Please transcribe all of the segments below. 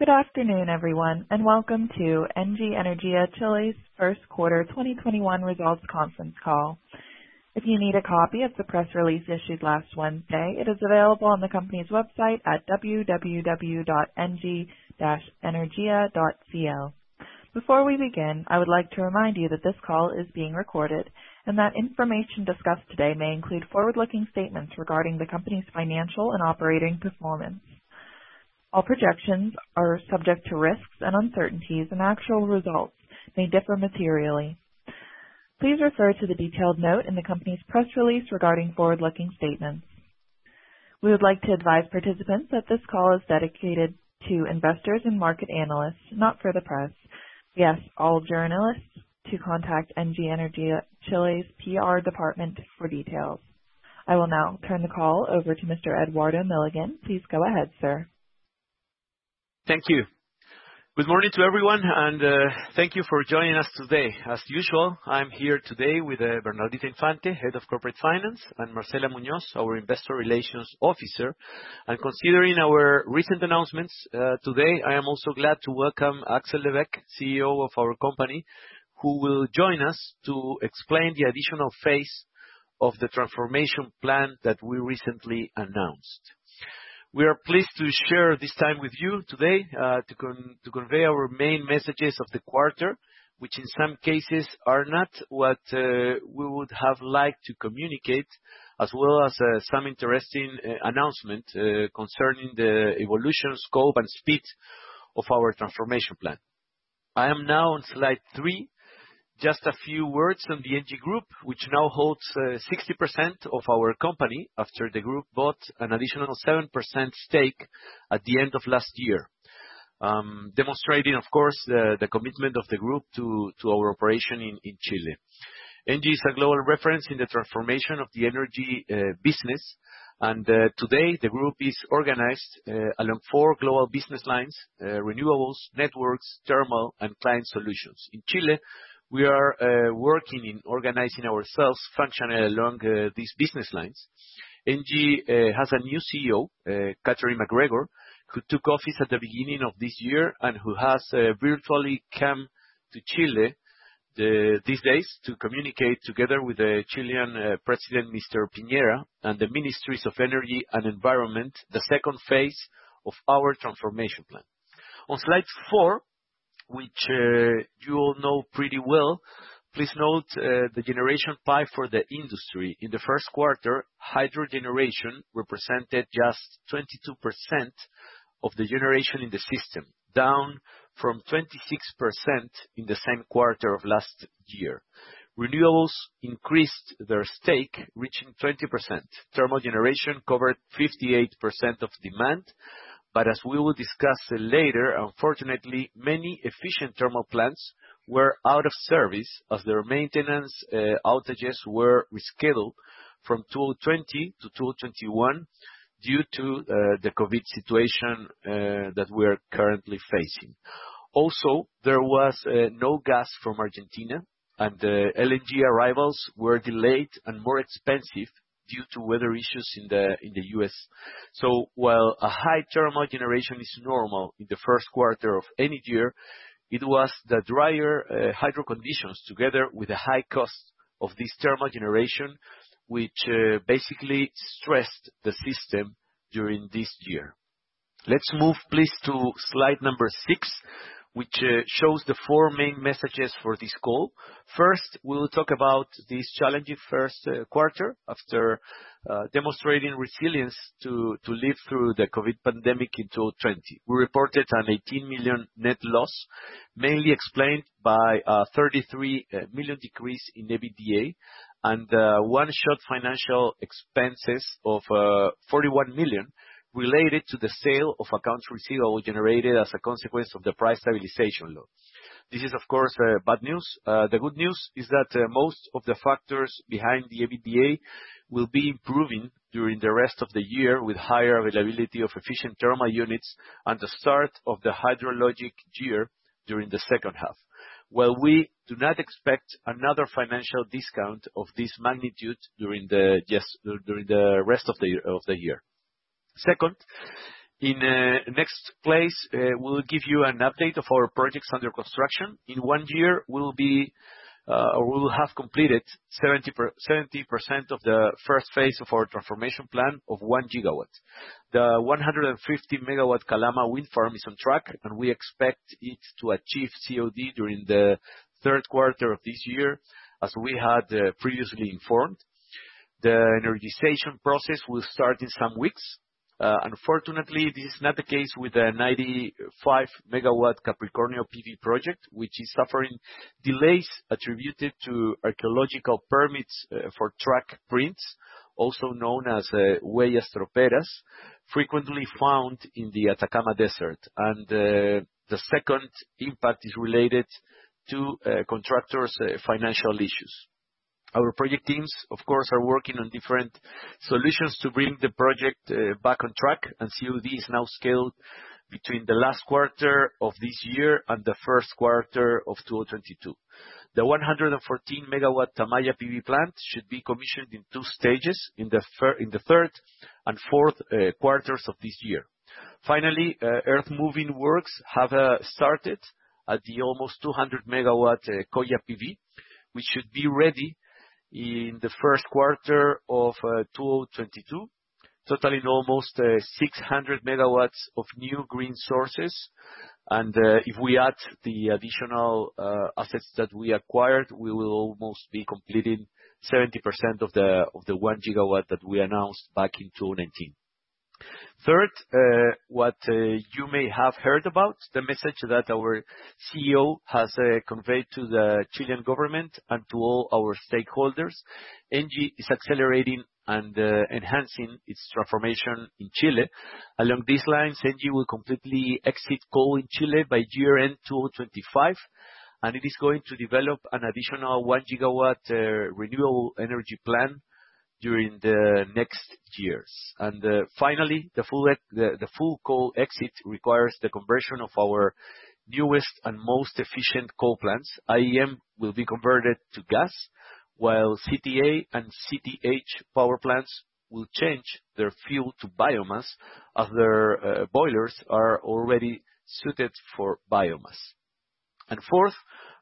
Good afternoon, everyone, and welcome to Engie Energia Chile's First Quarter 2021 Results Conference Call. If you need a copy of the press release issued last Wednesday, it is available on the company's website at www.engie-energia.cl. Before we begin, I would like to remind you that this call is being recorded and that information discussed today may include forward-looking statements regarding the company's financial and operating performance. All projections are subject to risks and uncertainties, and actual results may differ materially. Please refer to the detailed note in the company's press release regarding forward-looking statements. We would like to advise participants that this call is dedicated to investors and market analysts, not for the press. We ask all journalists to contact Engie Energia Chile's PR department for details. I will now turn the call over to Mr. Eduardo Milligan. Please go ahead, sir. Thank you. Good morning to everyone, and thank you for joining us today. As usual, I'm here today with Bernardita Infante, Head of Corporate Finance, and Marcela Munoz, our Investor Relations Officer, and considering our recent announcements, I am also glad to welcome Axel Lévêque, CEO of our company, who will join us to explain the additional phase of the transformation plan that we recently announced. We are pleased to share this time with you today to convey our main messages of the quarter, which in some cases are not what we would have liked to communicate, as well as some interesting announcements concerning the evolution, scope, and speed of our transformation plan. I am now on slide three. Just a few words on the Engie Group, which now holds 60% of our company after the group bought an additional 7% stake at the end of last year, demonstrating, of course, the commitment of the group to our operation in Chile. Engie is a global reference in the transformation of the energy business. Today, the group is organized along four global business lines: renewables, networks, thermal, and client solutions. In Chile, we are working in organizing ourselves functionally along these business lines. Engie has a new CEO, Catherine MacGregor, who took office at the beginning of this year. Who has virtually come to Chile these days to communicate, together with the Chilean President, Mr. Piñera, and the Ministries of Energy and Environment, the second phase of our transformation plan. On slide four, which you all know pretty well, please note the generation pie for the industry. In the first quarter, hydro generation represented just 22% of the generation in the system, down from 26% in the same quarter of last year. Renewables increased their stake, reaching 20%. Thermal generation covered 58% of demand, as we will discuss later, unfortunately, many efficient thermal plants were out of service as their maintenance outages were rescheduled from 2020-2021 due to the COVID situation that we are currently facing. Also, there was no gas from Argentina, and the LNG arrivals were delayed and more expensive due to weather issues in the U.S. While a high thermal generation is normal in the first quarter of any year, it was the drier hydro conditions, together with the high cost of this thermal generation, which basically stressed the system during this year. Let's move, please, to slide number six, which shows the four main messages for this call. First, we will talk about this challenging first quarter after demonstrating resilience to live through the COVID pandemic in 2020. We reported an $18 million net loss, mainly explained by a $33 million decrease in EBITDA, and one-shot financial expenses of $41 million related to the sale of accounts receivable generated as a consequence of the Price Stabilization Law. This is, of course, bad news. The good news is that most of the factors behind the EBITDA will be improving during the rest of the year, with higher availability of efficient thermal units and the start of the hydrologic year during the second half. While we do not expect another financial discount of this magnitude during the rest of the year. Second, in the next place, we will give you an update of our projects under construction. In one year, we will have completed 70% of the first phase of our transformation plan of 1 GW. The 150-MW Calama Wind Farm is on track, and we expect it to achieve COD during the third quarter of this year, as we had previously informed. The energization process will start in some weeks. Unfortunately, this is not the case with the 95-MW Capricornio PV project, which is suffering delays attributed to archaeological permits for track prints, also known as huellas troperas, frequently found in the Atacama Desert. The second impact is related to contractors' financial issues. Our project teams, of course, are working on different solutions to bring the project back on track, and COD is now scaled between the last quarter of this year and the first quarter of 2022. The 114 MW Tamaya PV plant should be commissioned in two stages in the third and fourth quarters of this year. Earth-moving works have started at the almost 200 MW Coya PV. We should be ready in the first quarter of 2022, totaling almost 600 MW of new green sources. If we add the additional assets that we acquired, we will almost be completing 70% of the 1 GW that we announced back in 2019. Third, what you may have heard about, the message that our CEO has conveyed to the Chilean government and to all our stakeholders, Engie is accelerating and enhancing its transformation in Chile. Along these lines, Engie will completely exit coal in Chile by year-end 2025, it is going to develop an additional one gigawatt renewable energy plan during the next years. Finally, the full coal exit requires the conversion of our newest and most efficient coal plants. IEM will be converted to gas, while CTA and CTH power plants will change their fuel to biomass, as their boilers are already suited for biomass. Fourth,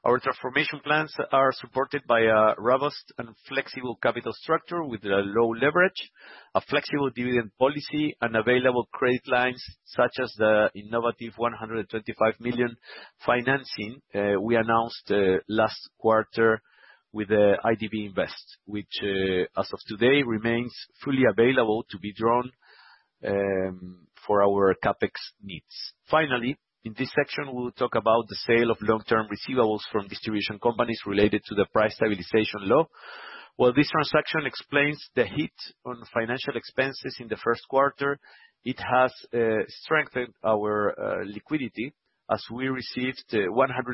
our transformation plans are supported by a robust and flexible capital structure with a low leverage, a flexible dividend policy, and available credit lines such as the innovative $125 million financing we announced last quarter with IDB Invest, which, as of today, remains fully available to be drawn for our CapEx needs. Finally, in this section, we will talk about the sale of long-term receivables from distribution companies related to the Price Stabilization Law. While this transaction explains the hit on financial expenses in the first quarter, it has strengthened our liquidity as we received $100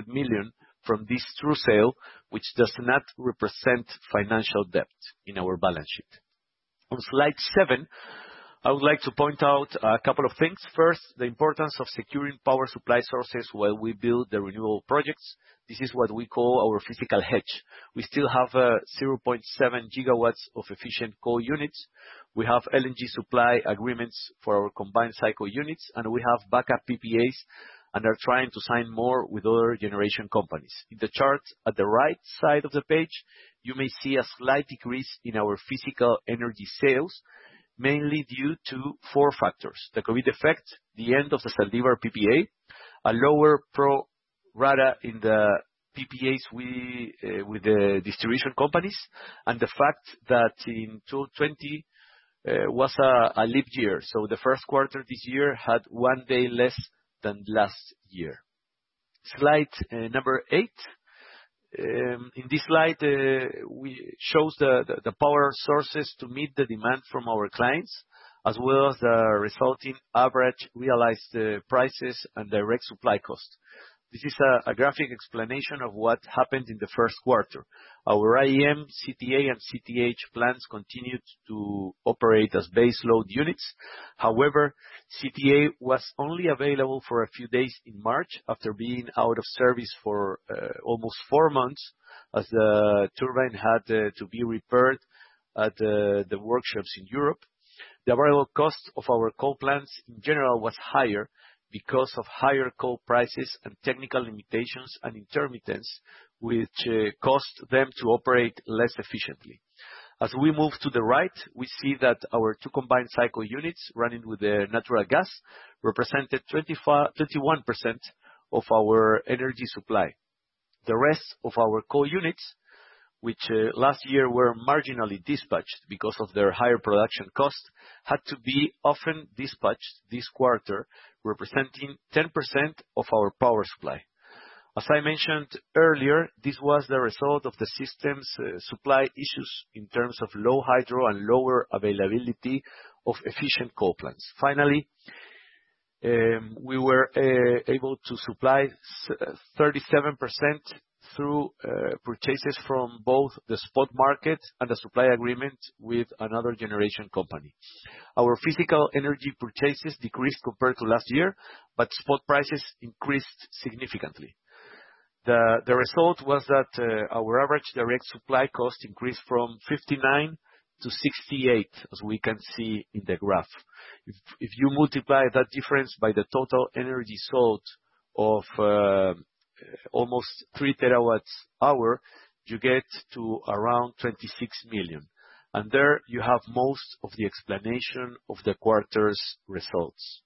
million from this true sale, which does not represent financial debt in our balance sheet. On slide seven, I would like to point out a couple of things. First, the importance of securing power supply sources while we build the renewable projects. This is what we call our physical hedge. We still have 0.7 GW of efficient core units. We have LNG supply agreements for our combined cycle units, and we have backup PPAs and are trying to sign more with other generation companies. In the chart at the right side of the page, you may see a slight decrease in our physical energy sales, mainly due to four factors. The COVID effect, the end of the Zaldívar PPA, a lower pro rata in the PPAs with the distribution companies, and the fact that in 2020 was a leap year. The first quarter this year had one day less than last year. Slide number eight. In this slide, we show the power sources to meet the demand from our clients, as well as the resulting average realized prices and direct supply cost. This is a graphic explanation of what happened in the first quarter. Our IEM, CTA, and CTH plants continued to operate as base load units. However, CTA was only available for a few days in March after being out of service for almost four months, as the turbine had to be repaired at the workshops in Europe. The variable cost of our coal plants, in general, was higher because of higher coal prices and technical limitations and intermittence, which caused them to operate less efficiently. As we move to the right, we see that our two combined cycle units running with natural gas represented 21% of our energy supply. The rest of our core units, which last year were marginally dispatched because of their higher production costs, had to be often dispatched this quarter, representing 10% of our power supply. As I mentioned earlier, this was the result of the system's supply issues in terms of low hydro and lower availability of efficient coal plants. We were able to supply 37% through purchases from both the spot market and a supply agreement with another generation company. Our physical energy purchases decreased compared to last year, but spot prices increased significantly. The result was that our average direct supply cost increased from $59-$68, as we can see in the graph. If you multiply that difference by the total energy sold of almost 3 TW hour, you get to around $26 million. There you have most of the explanation of the quarter's results.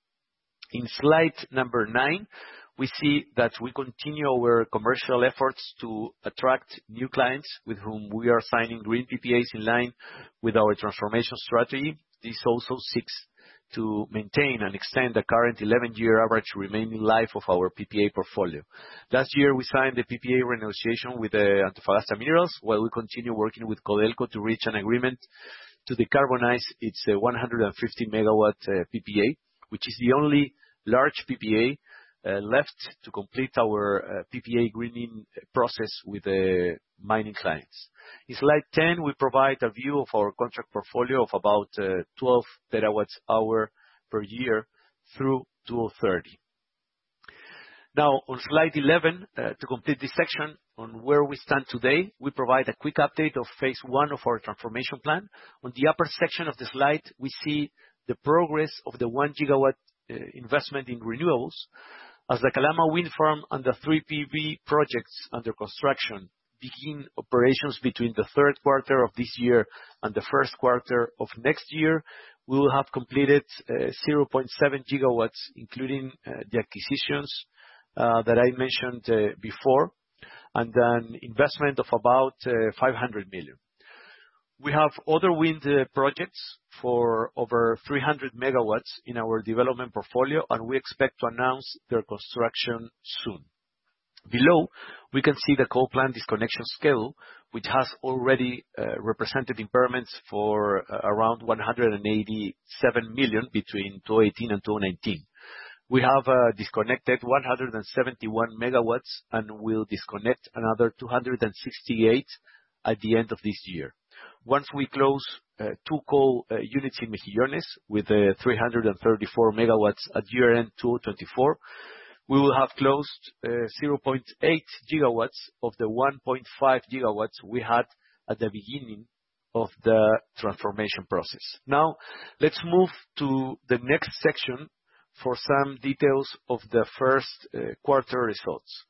In slide number nine, we see that we continue our commercial efforts to attract new clients with whom we are signing green PPAs in line with our transformation strategy. This also seeks to maintain and extend the current 11-year average remaining life of our PPA portfolio. Last year, we signed a PPA renegotiation with Antofagasta Minerals, while we continue working with Codelco to reach an agreement to decarbonize its 150 MW PPA, which is the only large PPA left to complete our PPA greening process with mining clients. In slide 10, we provide a view of our contract portfolio of about 12 terawatts per year through 2030. Now, on slide 11, to complete this section on where we stand today, we provide a quick update of phase I of our transformation plan. On the upper section of the slide, we see the progress of the 1 GW investment in renewables as the Calama Wind Farm and the three PV projects under construction begin operations between the third of this year and the first quarter of next year. We will have completed 0.7 GW, including the acquisitions that I mentioned before, and an investment of about $500 million. We have other wind projects for over 300 MW in our development portfolio, and we expect to announce their construction soon. Below, we can see the coal plant disconnection scale, which has already represented impairments for around $187 million between 2018 and 2019. We have disconnected 171 MW, and will disconnect another 268 MW at the end of this year. Once we close two coal units in Mejillones with 334 MW at year-end 2024, we will have closed 0.8 GW of the 1.5 GW we had at the beginning of the transformation process. Let's move to the next section for some details of the first quarter results.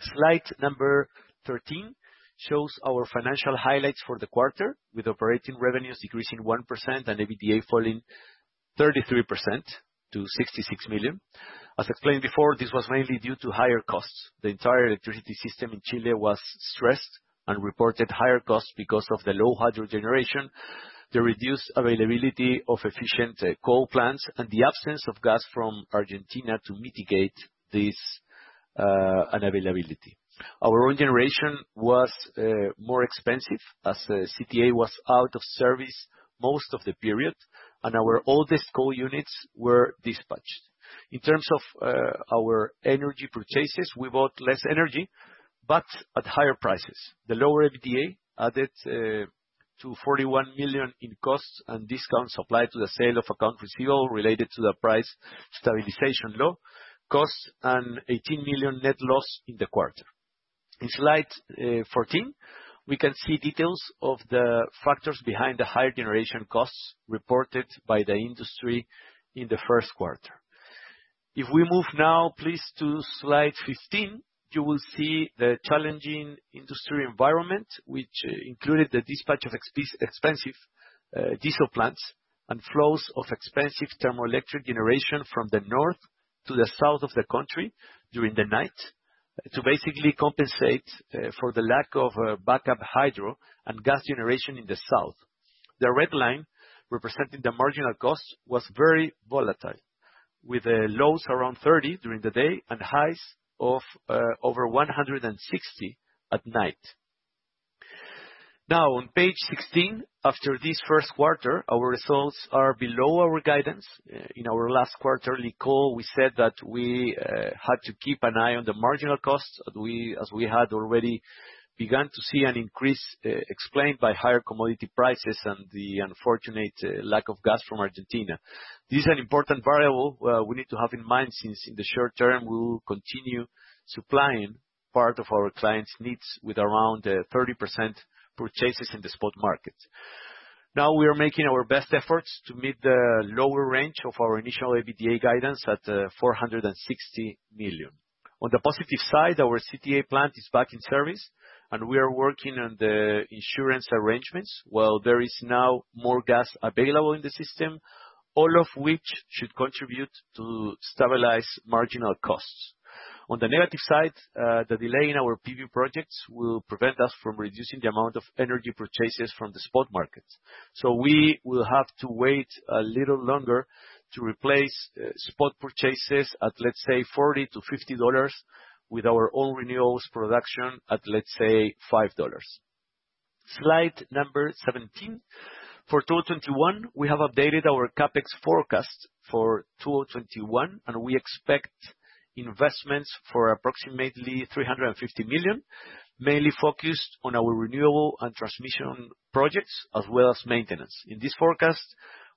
Slide number 13 shows our financial highlights for the quarter, with operating revenues decreasing 1% and EBITDA falling 33% to $66 million. As explained before, this was mainly due to higher costs. The entire electricity system in Chile was stressed and reported higher costs because of the low hydro generation, the reduced availability of efficient coal plants, and the absence of gas from Argentina to mitigate this unavailability. Our own generation was more expensive, as the CTA was out of service most of the period and our oldest coal units were dispatched. In terms of our energy purchases, we bought less energy, but at higher prices. The lower EBITDA added to $41 million in costs and discounts applied to the sale of accounts receivable related to the Price Stabilization Law cost an $18 million net loss in the quarter. In slide 14, we can see details of the factors behind the higher generation costs reported by the industry in the first quarter. If we move now, please, to slide 15, you will see the challenging industry environment, which included the dispatch of expensive diesel plants and flows of expensive thermoelectric generation from the north to the south of the country during the night to basically compensate for the lack of backup hydro and gas generation in the south. The red line, representing the marginal cost, was very volatile, with lows around $30 during the day and highs of over $160 at night. Now, on page 16, after this first quarter, our results are below our guidance. In our last quarterly call, we said that we had to keep an eye on the marginal costs, as we had already begun to see an increase explained by higher commodity prices and the unfortunate lack of gas from Argentina. This is an important variable we need to have in mind, since in the short term, we will continue supplying part of our clients' needs with around 30% purchases in the spot market. Now we are making our best efforts to meet the lower range of our initial EBITDA guidance at $460 million. On the positive side, our CTA plant is back in service and we are working on the insurance arrangements, while there is now more gas available in the system, all of which should contribute to stabilize marginal costs. On the negative side, the delay in our PV projects will prevent us from reducing the amount of energy purchases from the spot markets. We will have to wait a little longer to replace spot purchases at, let's say, $40-$50 with our own renewals production at, let's say, $5. Slide number 17. For 2021, we have updated our CapEx forecast for 2021. We expect investments for approximately $350 million, mainly focused on our renewable and transmission projects, as well as maintenance. In this forecast,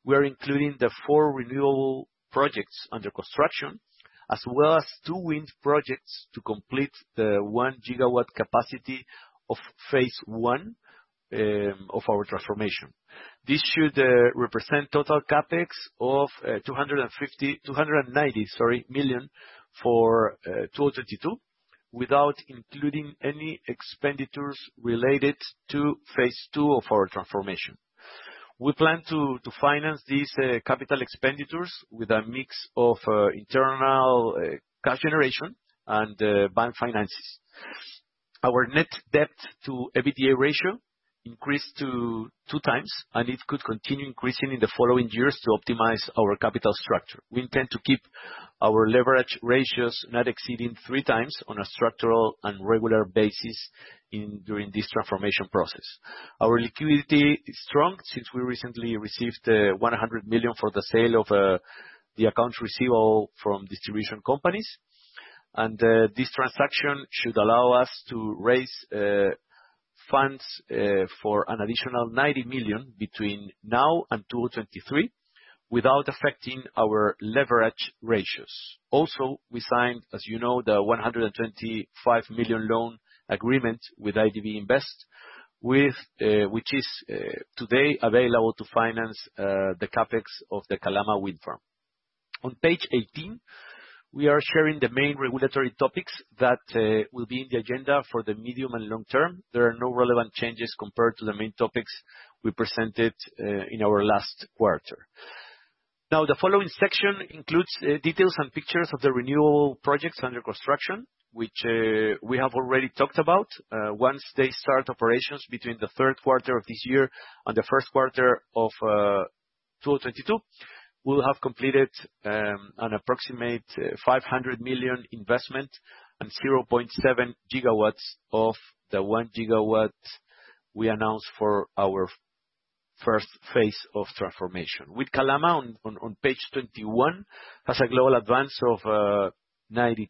we are including the four renewable projects under construction as well as two wind projects to complete the one gigawatt capacity of phase one of our transformation. This should represent total CapEx of $290 million for 2022, without including any expenditures related to phase II of our transformation. We plan to finance these capital expenditures with a mix of internal cash generation and bank finances. Our net debt to EBITDA ratio increased to two times. It could continue increasing in the following years to optimize our capital structure. We intend to keep our leverage ratios not exceeding three times on a structural and regular basis during this transformation process. Our liquidity is strong since we recently received $100 million for the sale of the accounts receivable from distribution companies. This transaction should allow us to raise funds for an additional $90 million between now and 2023, without affecting our leverage ratios. Also, we signed, as you know, the $125 million loan agreement with IDB Invest, which is today available to finance the CapEx of the Calama Wind Farm. On page 18, we are sharing the main regulatory topics that will be in the agenda for the medium and long-term. There are no relevant changes compared to the main topics we presented in our last quarter. Now, the following section includes details and pictures of the renewal projects under construction, which we have already talked about. Once they start operations between the third quarter of this year and the first quarter of 2022, we'll have completed an approximate $500 million investment and 0.7 GW of the 1 GW we announced for our first phase of transformation. With Calama on page 21, has a global advance of 92%,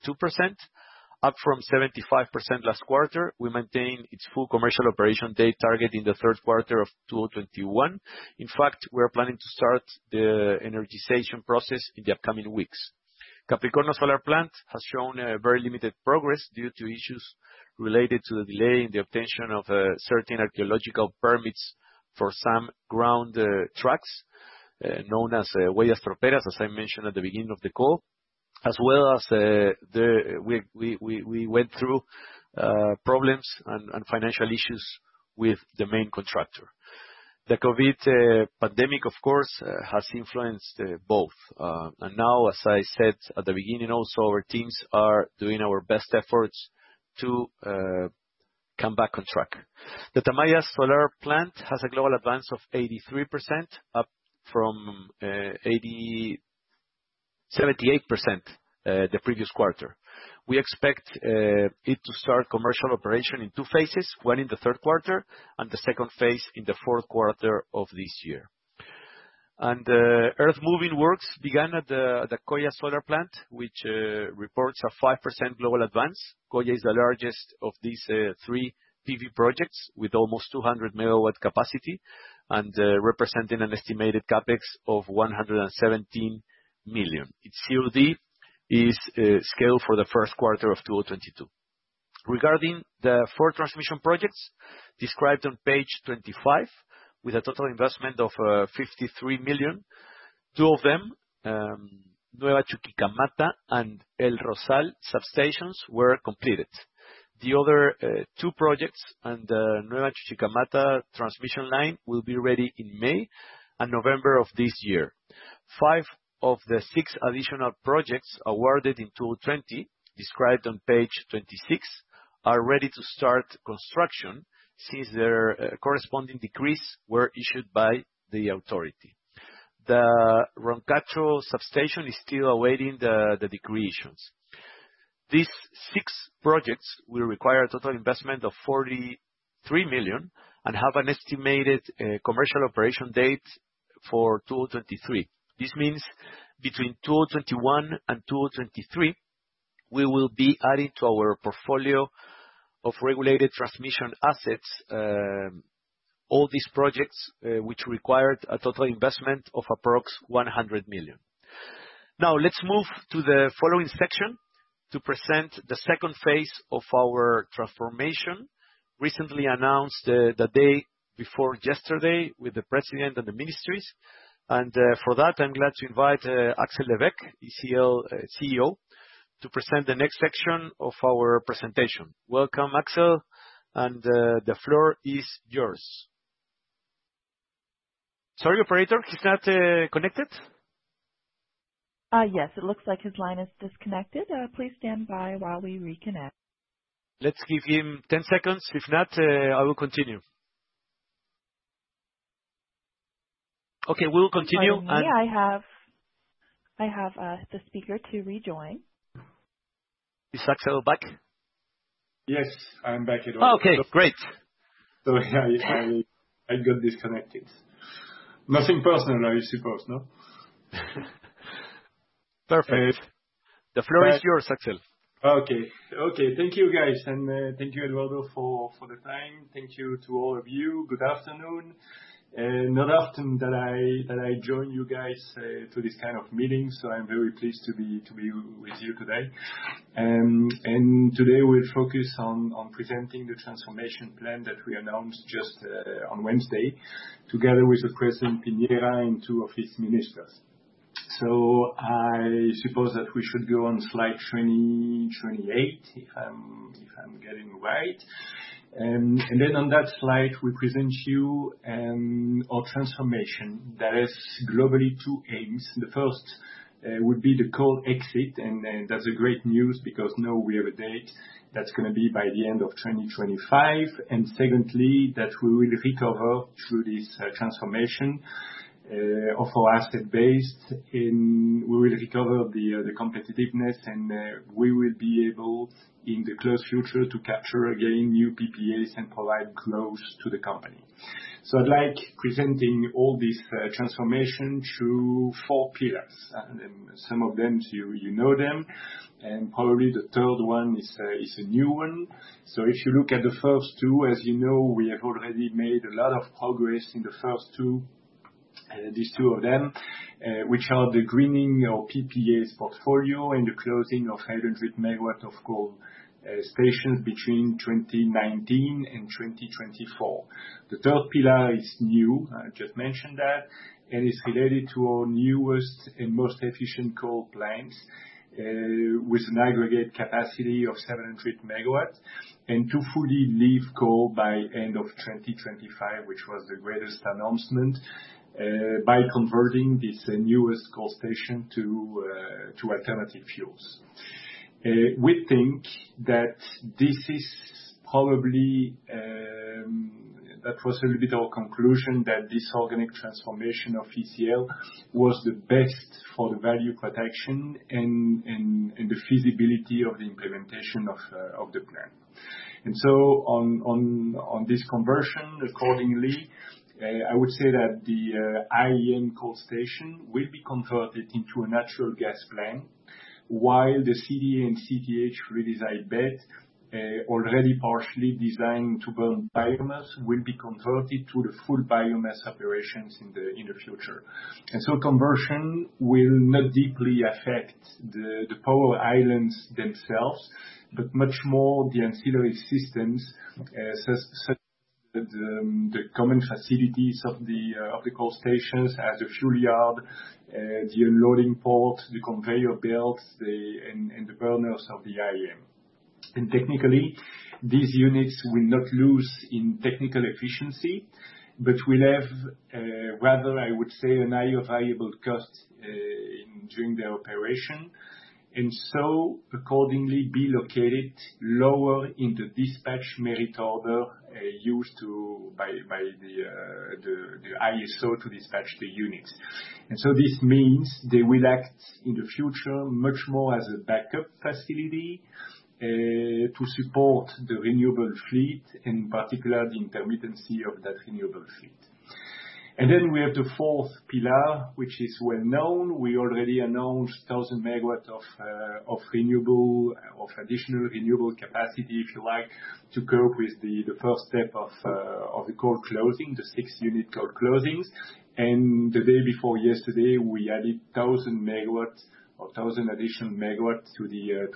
up from 75% last quarter. We maintain its full commercial operation date target in the third quarter of 2021. In fact, we are planning to start the energization process in the upcoming weeks. Capricornio Solar plant has shown very limited progress due to issues related to the delay in the obtainment of certain archaeological permits for some ground tracks, known as huellas troperas, as I mentioned at the beginning of the call. We went through problems and financial issues with the main contractor. The COVID pandemic, of course, has influenced both. Now, as I said at the beginning also, our teams are doing our best efforts to come back on track. The Tamaya Solar Plant has a global advance of 83%, up from 78% the previous quarter. We expect it to start commercial operation in two phases, one in the third quarter, and the second phase in the fourth quarter of this year. Earth moving works began at the Coya Solar Park, which reports a 5% global advance. Coya is the largest of these three PV projects, with almost 200 MW capacity and representing an estimated CapEx of $117 million. Its COD is scaled for the first quarter of 2022. Regarding the four transmission projects described on page 25, with a total investment of $53 million, two of them, Nueva Crucero - Encuentro and El Rosal substations were completed. The other two projects and Nueva Chuquiata transmission line will be ready in May and November of this year. Five of the six additional projects awarded in 2020 described on page 26 are ready to start construction, since their corresponding decrees were issued by the authority. The Roncacho substation is still awaiting the decree issues. These six projects will require a total investment of $43 million and have an estimated commercial operation date for 2023. This means between 2021 and 2023, we will be adding to our portfolio of regulated transmission assets all these projects, which required a total investment of approx $100 million. Let's move to the following section to present the second phase of our transformation, recently announced the day before yesterday with the President and the ministries. For that, I'm glad to invite Axel Léveque, ECL CEO, to present the next section of our presentation. Welcome, Axel, and the floor is yours. Sorry, operator, he's not connected? Yes. It looks like his line is disconnected. Please stand by while we reconnect. Let's give him 10 seconds. If not, I will continue. Okay, we will continue. Sorry. I have the speaker to rejoin. Is Axel back? Yes, I'm back, Eduardo. Okay, great. Sorry, I got disconnected. Nothing personal, I suppose, no? Perfect. The floor is yours, Axel. Okay. Thank you, guys, and thank you, Eduardo, for the time. Thank you to all of you. Good afternoon. Not often that I join you guys for this kind of meeting, I'm very pleased to be with you today. Today, we'll focus on presenting the transformation plan that we announced just on Wednesday, together with President Piñera and two of his ministers. I suppose that we should go on slide 28, if I'm getting it right. On that slide, we present you our transformation that is globally two aims. The first would be the coal exit, and that's great news because now we have a date. That's going to be by the end of 2025. Secondly, that we will recover through this transformation of our asset base, and we will recover the competitiveness, and we will be able, in the close future, to capture again new PPAs and provide growth to the company. I'd like presenting all this transformation through four pillars. Some of them, you know them, and probably the third one is a new one. If you look at the first two, as you know, we have already made a lot of progress in the first two, these two of them, which are the greening our PPAs portfolio and the closing of 100 MW of coal stations between 2019 and 2024. The third pillar is new, I just mentioned that, and it's related to our newest and most efficient coal plants with an aggregate capacity of 700 MW. To fully leave coal by end of 2025, which was the greatest announcement, by converting this newest coal station to alternative fuels. We think that this is probably, that was a little bit our conclusion, that this organic transformation of ECL was the best for the value protection and the feasibility of the implementation of the plan. On this conversion, accordingly, I would say that the IEM coal station will be converted into a natural gas plant, while the CTH and CTH RediseñBet, already partially designed to burn biomass, will be converted to the full biomass operations in the future. Conversion will not deeply affect the power islands themselves, but much more the ancillary systems, such as the common facilities of the coal stations as a fuel yard, the unloading port, the conveyor belts, and the burners of the IEM. Technically, these units will not lose in technical efficiency, but will have, rather, I would say, an higher variable cost during their operation. Accordingly, be located lower in the dispatch merit order used by the ISO to dispatch the units. This means they will act in the future much more as a backup facility, to support the renewable fleet, in particular, the intermittency of that renewable fleet. We have the fourth pillar, which is well known. We already announced 1,000 MW of additional renewable capacity, if you like, to go with the first step of the coal closing, the six-unit coal closings. The day before yesterday, we added 1,000 additional megawatts to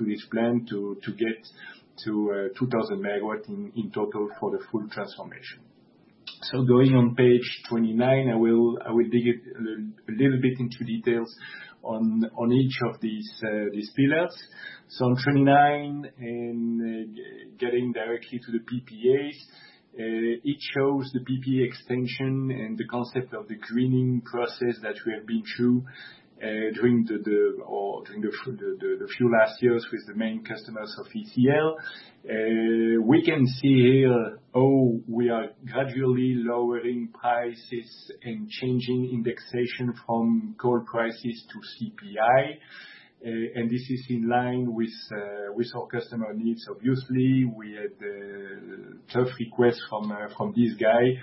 this plan to get to 2,000 MW in total for the full transformation. Going on page 29, I will dig a little bit into details on each of these pillars. On 29, in getting directly to the PPAs, it shows the PPA extension and the concept of the greening process that we have been through during the few last years with the main customers of ECL. We can see here how we are gradually lowering prices and changing indexation from coal prices to CPI. This is in line with our customer needs. Obviously, we had a tough request from this guy,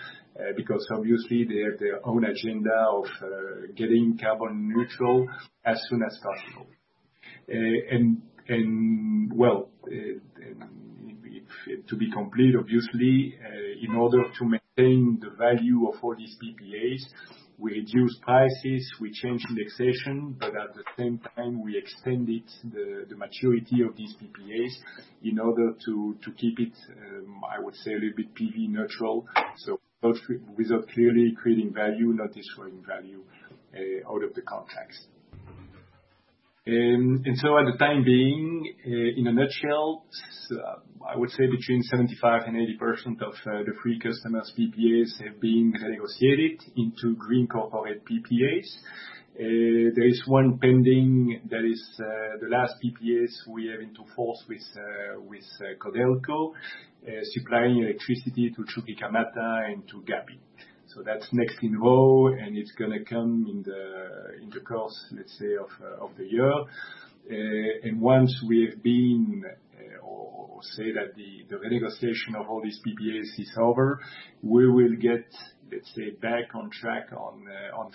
because obviously they have their own agenda of getting carbon neutral as soon as possible. To be complete, obviously, in order to maintain the value of all these PPAs, we reduce prices, we change indexation, but at the same time, we extend the maturity of these PPAs in order to keep it, I would say a little bit PV neutral. Hopefully we are clearly creating value, not destroying value, out of the contracts. At the time being, in a nutshell, I would say between 75% and 80% of the three customers PPAs have been renegotiated into green corporate PPAs. There is one pending that is the last PPAs we have into force with Codelco, supplying electricity to Chuquicamata and to Gaby. That's next in row and it's going to come in the course, let's say of the year. Once we have been or say that the renegotiation of all these PPAs is over, we will get, let's say back on track on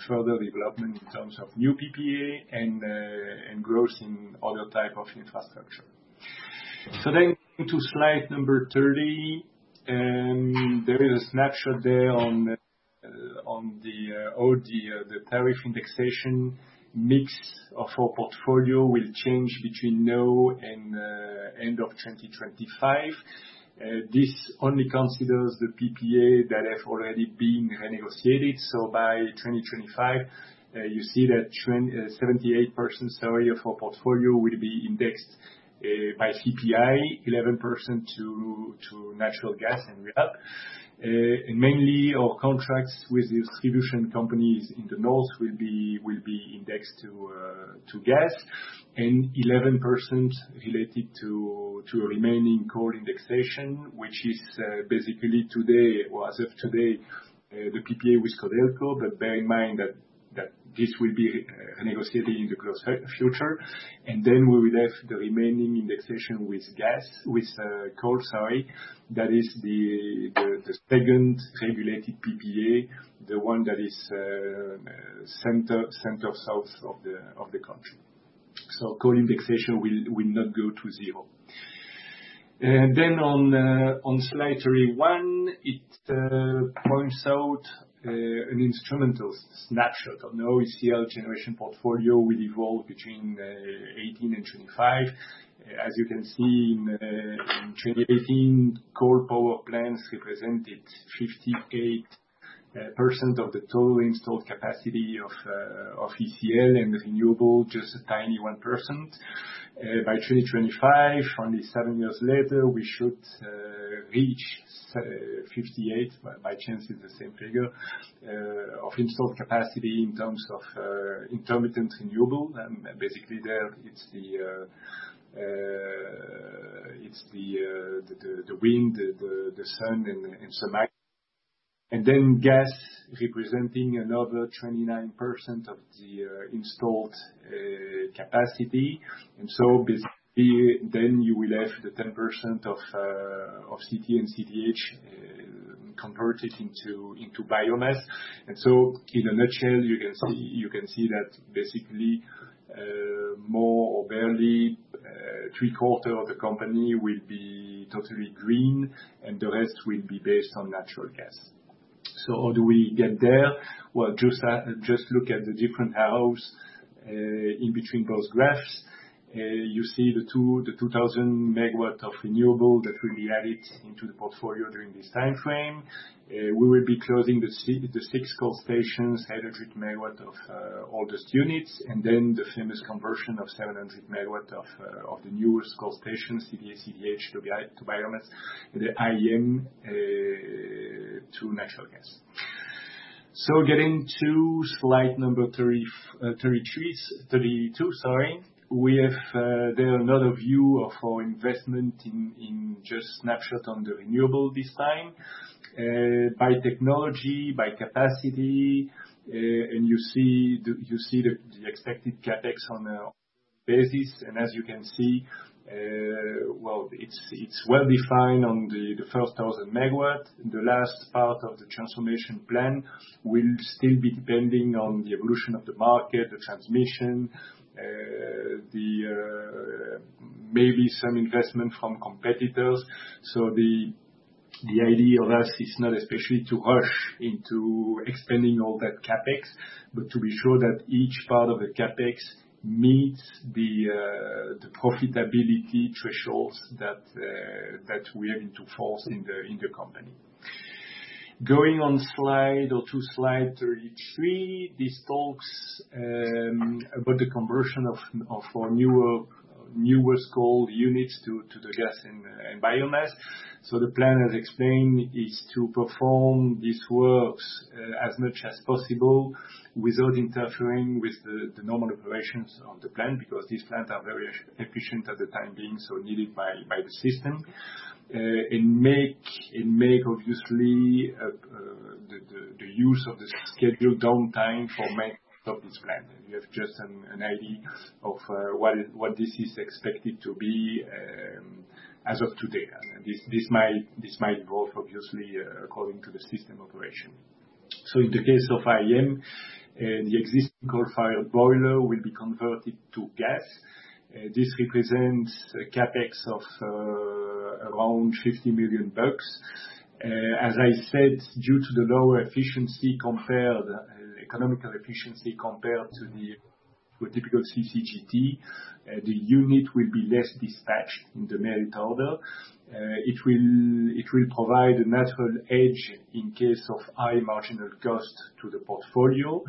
further development in terms of new PPA and gross in other type of infrastructure. To slide 30, there is a snapshot there on the tariff indexation mix of our portfolio will change between now and end of 2025. This only considers the PPA that have already been renegotiated. By 2025, you see that 78% salary of our portfolio will be indexed by CPI, 11% to natural gas and RIL. Mainly our contracts with distribution companies in the north will be indexed to gas. 11% related to remaining coal indexation, which is basically as of today, the PPA with Codelco. Bear in mind that this will be negotiated in the close future, and then we will have the remaining indexation with coal. That is the second regulated PPA, the one that is center south of the country. Coal indexation will not go to zero. On slide 31, it points out an instrumental snapshot on how ECL generation portfolio will evolve between 2018 and 2025. As you can see, in 2018, coal power plants represented 58% of the total installed capacity of ECL and the renewable, just a tiny 1%. By 2025, only seven years later, we should reach 58, by chance it's the same figure, of installed capacity in terms of intermittent renewable. Basically there, it's the wind, the sun, and some act. Gas representing another 29% of the installed capacity. Basically, then you will have the 10% of CT and CDH converted into biomass. In a nutshell, you can see that basically, more or barely three quarter of the company will be totally green, and the rest will be based on natural gas. How do we get there? Well, just look at the different arrows in between those graphs. You see the 2,000 megawatts of renewable that will be added into the portfolio during this time frame. We will be closing the six coal stations, 700 MW of oldest units, then the famous conversion of 700 MW of the newest coal stations, CDH to biomass, the IEM to natural gas. Getting to slide number 32. There are another view of our investment in just snapshot on the renewable this time, by technology, by capacity. You see the expected CapEx on a basis. As you can see, well, it's well-defined on the first 1,000 MW. In the last part of the transformation plan, we'll still be depending on the evolution of the market, the transmission, maybe some investment from competitors. The idea of us is not especially to rush into expanding all that CapEx, but to be sure that each part of the CapEx meets the profitability thresholds that we are into force in the company. Going on to slide 33, this talks about the conversion of our newest coal units to the gas and biomass. The plan, as explained, is to perform these works as much as possible without interfering with the normal operations of the plant, because these plants are very efficient at the time being, so needed by the system. Make obviously, the use of the scheduled downtime for making of this plan. You have just an idea of what this is expected to be as of today. This might evolve obviously, according to the system operation. In the case of IEM, the existing coal-fired boiler will be converted to gas. This represents a CapEx of around $50 million. As I said, due to the lower economical efficiency compared to the particular CCGT, the unit will be less dispatched in the merit order. It will provide a natural edge in case of high marginal cost to the portfolio.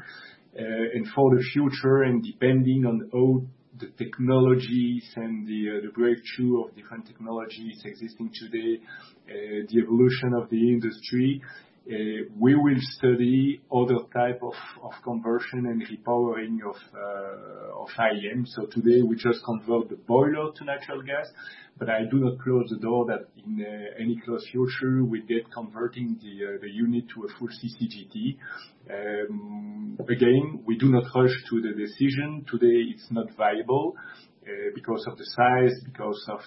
For the future, depending on all the technologies and the breakthrough of different technologies existing today, the evolution of the industry, we will study other type of conversion and repowering of IEM. Today, we just convert the boiler to natural gas, but I do not close the door that in any close future, we get converting the unit to a full CCGT. We do not rush to the decision. Today it's not viable because of the size, because of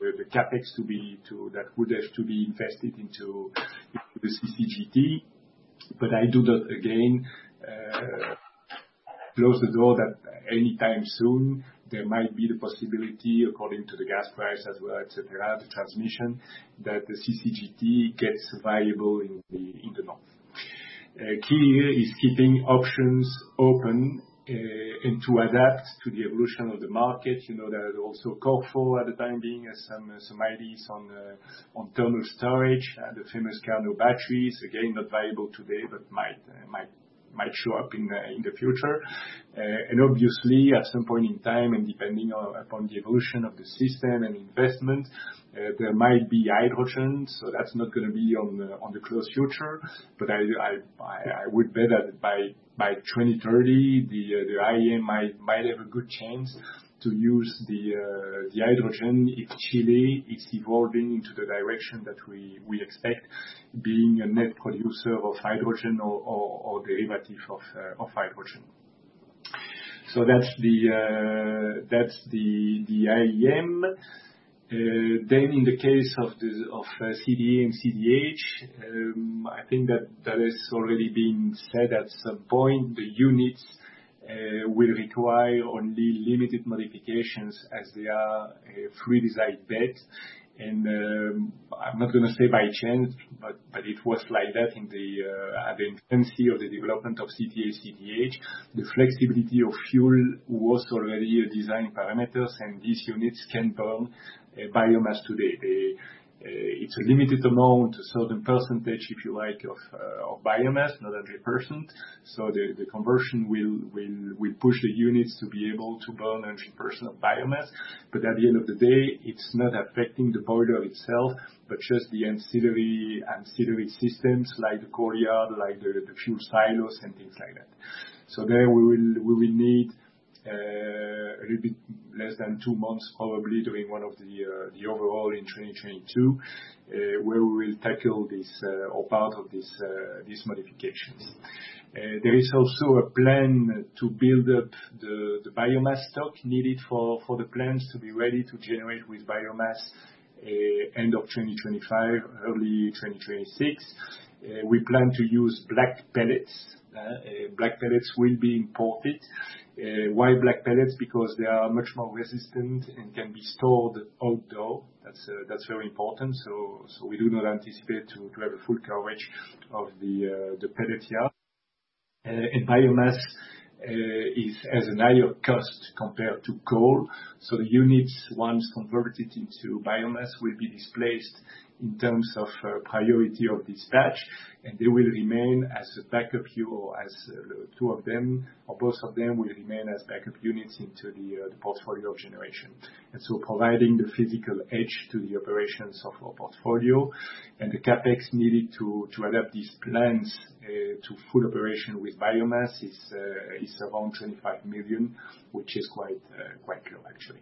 the CapEx that would have to be invested into the CCGT. I do not, again, close the door that anytime soon there might be the possibility according to the gas price as well, et cetera, the transmission, that the CCGT gets viable in the north. Key here is keeping options open, and to adapt to the evolution of the market. There is also a call for at the time being as some ideas on thermal storage and the famous Carnot batteries. Not viable today, but might show up in the future. Obviously, at some point in time and depending upon the evolution of the system and investment, there might be hydrogen. That's not going to be on the close future. I would bet that by 2030, the IEM might have a good chance to use the hydrogen if Chile is evolving into the direction that we expect, being a net producer of hydrogen or derivative of hydrogen. That's the IEM. In the case of CTA and CDH, I think that has already been said at some point, the units will require only limited modifications as they are pre-designed beds. I'm not going to say by chance, but it was like that at the infancy of the development of CTA, CDH. The flexibility of fuel was already a design parameter, and these units can burn biomass today. It's a limited amount, a certain percentage, if you like, of biomass, not 100%. The conversion will push the units to be able to burn 100% of biomass. At the end of the day, it's not affecting the boiler itself, but just the ancillary systems, like the courtyard, like the fuel silos and things like that. There we will need a little bit less than two months, probably, during one of the overall in 2022, where we will tackle or part of these modifications. There is also a plan to build up the biomass stock needed for the plants to be ready to generate with biomass end of 2025, early 2026. We plan to use black pellets. Black pellets will be imported. Why black pellets? Because they are much more resistant and can be stored outdoor. That's very important. We do not anticipate to have a full coverage of the pellet yard. Biomass has a higher cost compared to coal. Units, once converted into biomass, will be displaced in terms of priority of dispatch, and they will remain as a backup unit, two of them, or both of them will remain as backup units into the portfolio generation. Providing the physical edge to the operations of our portfolio and the CapEx needed to adapt these plants to full operation with biomass is around $25 million, which is quite low, actually.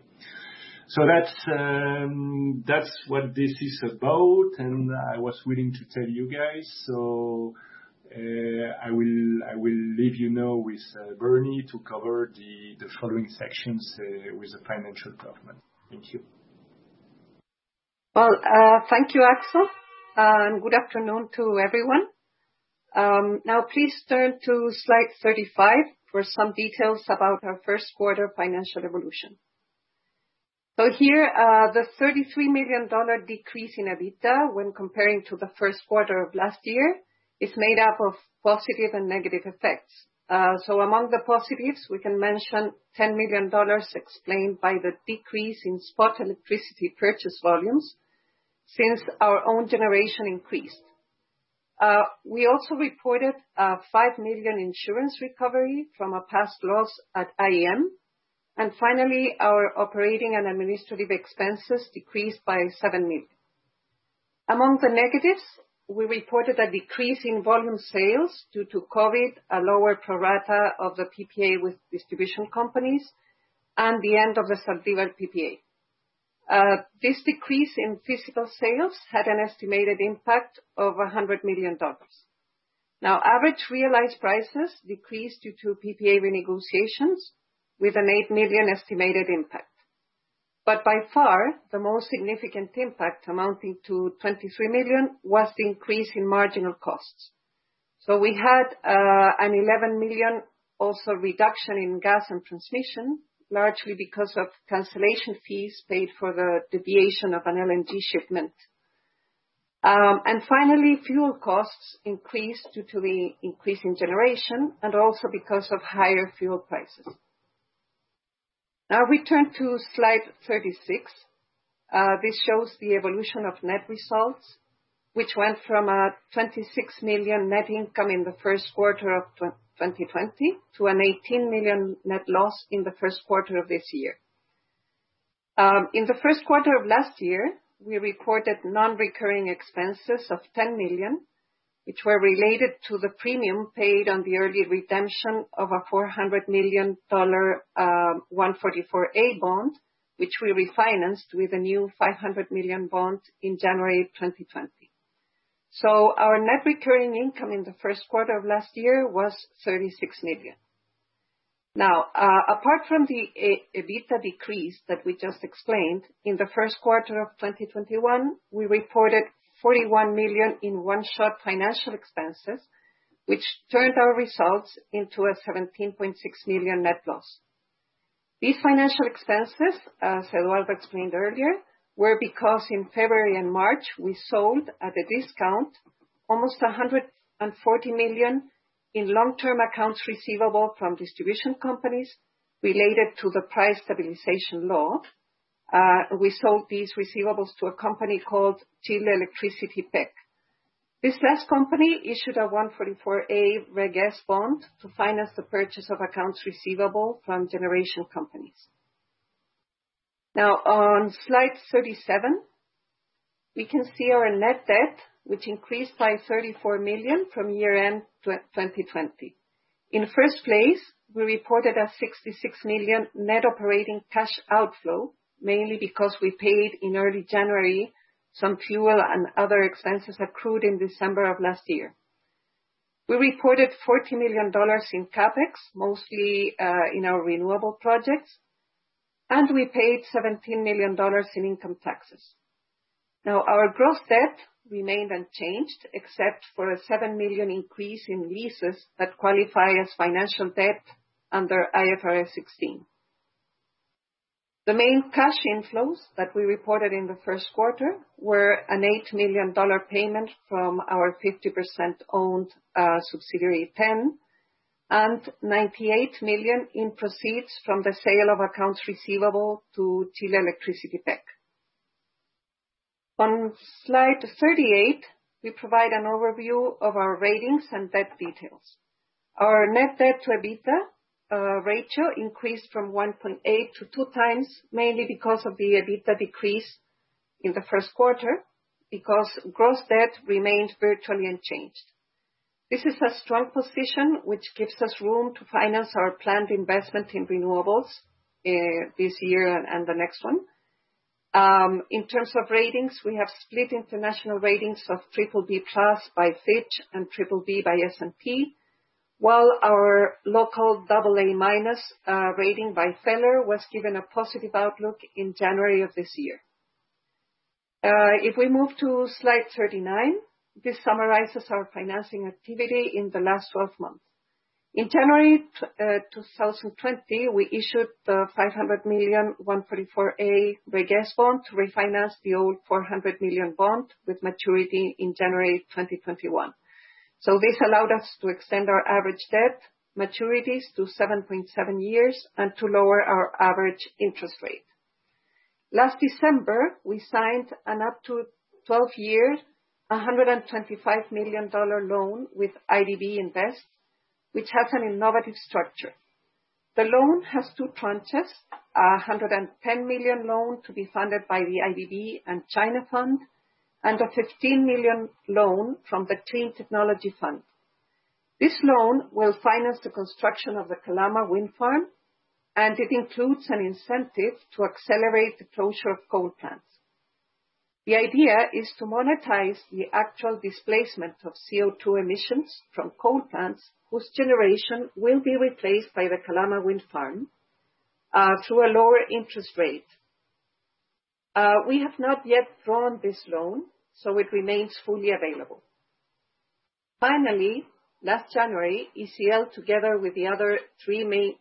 That's what this is about, and I was willing to tell you guys. I will leave you now with Bernie to cover the following sections with the financial department. Thank you. Well, thank you, Axel. Good afternoon to everyone. Now please turn to slide 35 for some details about our first quarter financial evolution. Here, the $33 million decrease in EBITDA when comparing to the first quarter of last year, is made up of positive and negative effects. Among the positives, we can mention $10 million explained by the decrease in spot electricity purchase volumes since our own generation increased. We also reported a $5 million insurance recovery from a past loss at IEM. Finally, our operating and administrative expenses decreased by $7 million. Among the negatives, we reported a decrease in volume sales due to COVID, a lower pro rata of the PPA with distribution companies, and the end of the Zaldivar PPA. This decrease in physical sales had an estimated impact of $100 million. Average realized prices decreased due to PPA renegotiations with an $8 million estimated impact. By far, the most significant impact, amounting to $23 million, was the increase in marginal costs. We had an $11 million also reduction in gas and transmission, largely because of cancellation fees paid for the deviation of an LNG shipment. Finally, fuel costs increased due to the increase in generation and also because of higher fuel prices. We turn to slide 36. This shows the evolution of net results, which went from a $26 million net income in the first quarter of 2020 to an $18 million net loss in the first quarter of this year. In the first quarter of last year, we recorded non-recurring expenses of $10 million, which were related to the premium paid on the early redemption of a $400 million 144A bond, which we refinanced with a new $500 million bond in January 2020. Our net recurring income in the first quarter of last year was $36 million. Apart from the EBITDA decrease that we just explained, in the first quarter of 2021, we reported $41 million in one-shot financial expenses, which turned our results into a $17.6 million net loss. These financial expenses, as Eduardo Milligan explained earlier, were because in February and March, we sold at a discount almost $140 million in long-term accounts receivable from distribution companies related to the Price Stabilization Law. We sold these receivables to a company called Chile Electricity PEC SpA. This last company issued a 144A Reg S bond to finance the purchase of accounts receivable from generation companies. On slide 37, we can see our net debt, which increased by $34 million from year-end 2020. In the first place, we reported a $66 million net operating cash outflow, mainly because we paid in early January some fuel and other expenses accrued in December of last year. We reported $40 million in CapEx, mostly in our renewable projects, and we paid $17 million in income taxes. Our gross debt remained unchanged except for a $7 million increase in leases that qualify as financial debt under IFRS 16. The main cash inflows that we reported in the first quarter were an $8 million payment from our 50% owned subsidiary, TEN, and $98 million in proceeds from the sale of accounts receivable to Chile Electricity PEC. On slide 38, we provide an overview of our ratings and debt details. Our net debt to EBITDA ratio increased from 1.8x-2x, mainly because of the EBITDA decrease in the first quarter, because gross debt remained virtually unchanged. This is a strong position, which gives us room to finance our planned investment in renewables, this year and the next one. In terms of ratings, we have split international ratings of Triple B Plus by Fitch and Triple B by S&P, while our local Double A Minus rating by Feller was given a positive outlook in January of this year. If we move to slide 39, this summarizes our financing activity in the last 12 months. In January 2020, we issued the $500 million 144A Reg S bond to refinance the old $400 million bond with maturity in January 2021. This allowed us to extend our average debt maturities to 7.7 years and to lower our average interest rate. Last December, we signed an up to 12-year, $125 million loan with IDB Invest, which has an innovative structure. The loan has two tranches, a $110 million loan to be funded by the IDB and China Fund, and a $15 million loan from the Clean Technology Fund. This loan will finance the construction of the Calama wind farm, and it includes an incentive to accelerate the closure of coal plants. The idea is to monetize the actual displacement of CO2 emissions from coal plants, whose generation will be replaced by the Calama wind farm, through a lower interest rate. We have not yet drawn this loan, so it remains fully available. Finally, last January, ECL, together with the other three main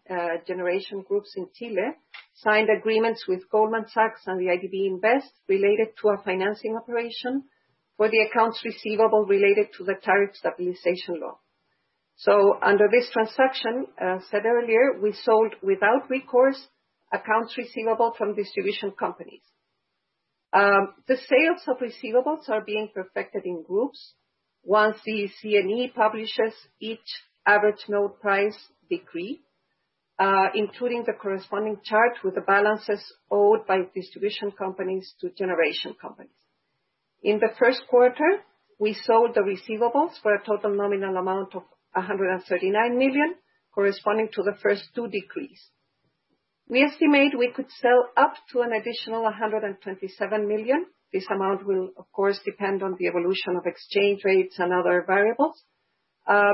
generation groups in Chile, signed agreements with Goldman Sachs and the IDB Invest related to a financing operation for the accounts receivable related to the Tariff Stabilization Law. Under this transaction, as said earlier, we sold without recourse accounts receivable from distribution companies. The sales of receivables are being perfected in groups. Once the CNE publishes each Average Node Price Decree, including the corresponding charge with the balances owed by distribution companies to generation companies. In the first quarter, we sold the receivables for a total nominal amount of $139 million, corresponding to the first two decrees. We estimate we could sell up to an additional $127 million. This amount will, of course, depend on the evolution of exchange rates and other variables,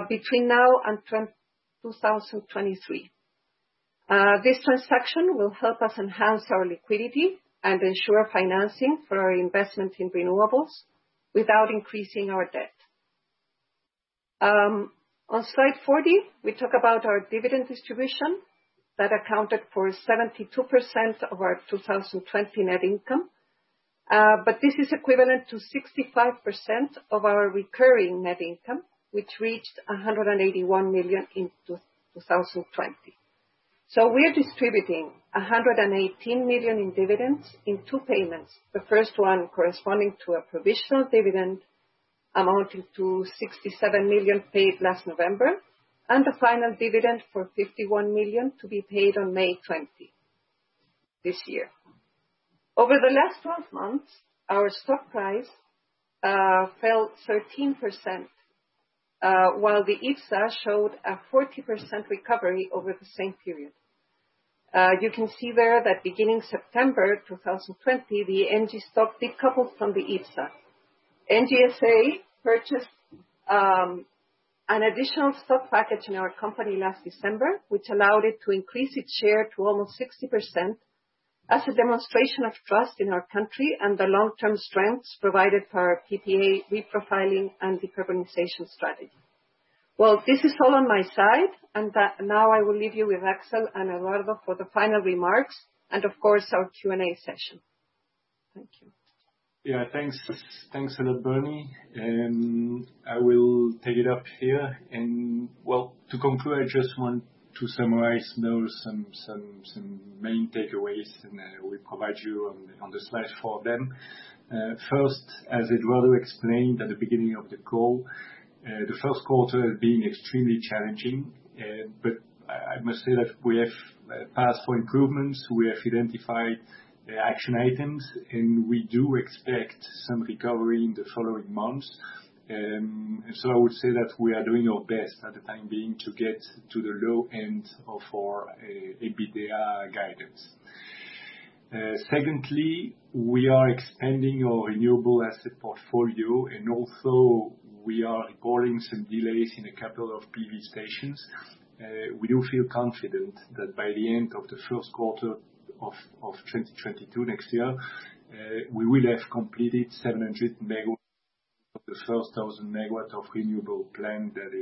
between now and 2023. This transaction will help us enhance our liquidity and ensure financing for our investment in renewables without increasing our debt. On slide 40, we talk about our dividend distribution that accounted for 72% of our 2020 net income. This is equivalent to 65% of our recurring net income, which reached $181 million in 2020. We are distributing $118 million in dividends in two payments. The first one corresponding to a provisional dividend amounting to $67 million paid last November, and a final dividend for $51 million to be paid on May 20 this year. Over the last 12 months, our stock price fell 13%, while the IPSA showed a 40% recovery over the same period. You can see there that beginning September 2020, the Engie stock decoupled from the IPSA. Engie SA purchased an additional stock package in our company last December, which allowed it to increase its share to almost 60% as a demonstration of trust in our country and the long-term strengths provided for our PPA reprofiling and decarbonization strategy. Well, this is all on my side. Now I will leave you with Axel and Eduard for the final remarks and of course, our Q&A session. Thank you. Yeah, thanks a lot, Bernie. I will take it up here. Well, to conclude, I just want to summarize now some main takeaways, and I will provide you on this slide four of them. First, as Eduardo explained at the beginning of the call, the first quarter being extremely challenging. I must say that we have paths for improvements. We have identified the action items, and we do expect some recovery in the following months. I would say that we are doing our best for the time being to get to the low end of our EBITDA guidance. Secondly, we are expanding our renewable asset portfolio, and also we are recording some delays in a couple of PV stations. We do feel confident that by the end of the first quarter of 2022, next year, we will have completed 700 MW of the first 1,000 MW of renewable plan that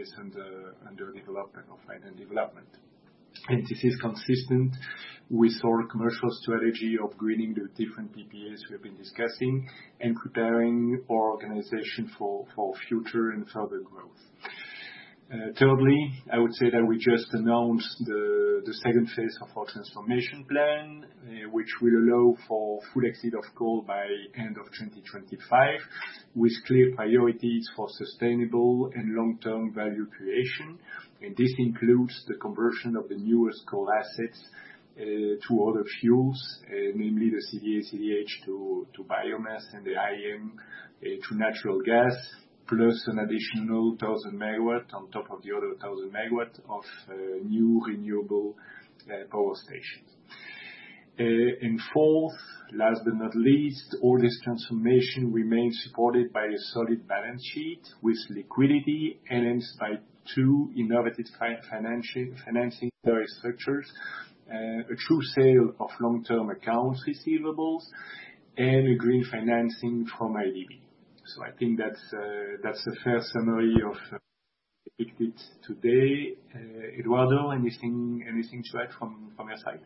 is under development, of final development. This is consistent with our commercial strategy of greening the different PPAs we have been discussing and preparing our organization for future and further growth. Thirdly, I would say that we just announced the second phase of our transformation plan, which will allow for full exit of coal by end of 2025, with clear priorities for sustainable and long-term value creation. This includes the conversion of the newest coal assets, to other fuels, mainly the CTA, CDH to biomass and the IEM to natural gas, plus an additional 1,000 MW on top of the other 1,000 megawatts of new renewable power stations. Fourth, last but not least, all this transformation remains supported by a solid balance sheet with liquidity enhanced by two innovative financing structures, a true sale of long-term accounts receivables and green financing from IDB. I think that's a fair summary of the big bits today. Eduardo, anything to add from your side?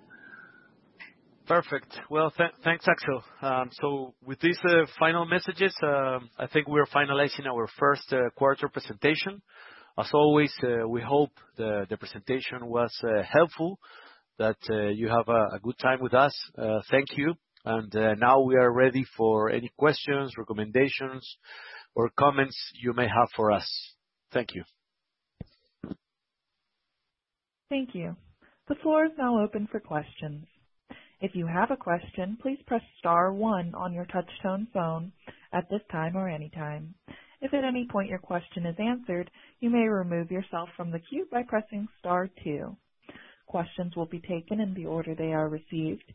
Perfect. Well, thanks, Axel. With these final messages, I think we are finalizing our first quarter presentation. As always, we hope the presentation was helpful, that you have a good time with us. Thank you. Now we are ready for any questions, recommendations, or comments you may have for us. Thank you. Thank you. The floor is now open for questions. If you have a question please press star one on your touchtone phone at this time or any time. If at any time your question is answered you may remove yourself from the queue by pressing star two. Questions will be taken in the order they are recieved.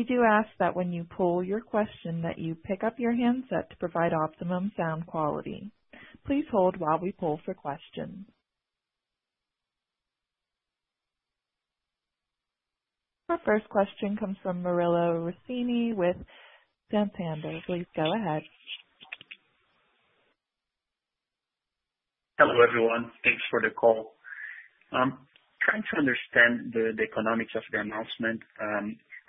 We do ask that when you pull your questions you pick up your handset to provide optimum sound quality. Our first question comes from Murilo Ruccini with Santander. Please go ahead. Hello, everyone. Thanks for the call. Trying to understand the economics of the announcement.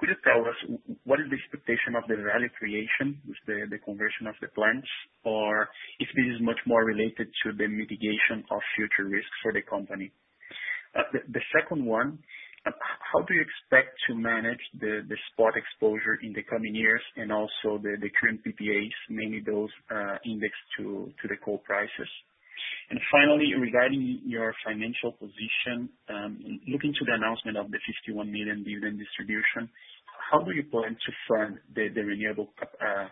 Could you tell us what is the expectation of the value creation with the conversion of the plants? Or if this is much more related to the mitigation of future risks for the company. The second one, how do you expect to manage the spot exposure in the coming years and also the current PPAs, mainly those indexed to the coal prices? Finally, regarding your financial position, looking to the announcement of the $51 million dividend distribution, how will you plan to fund the renewable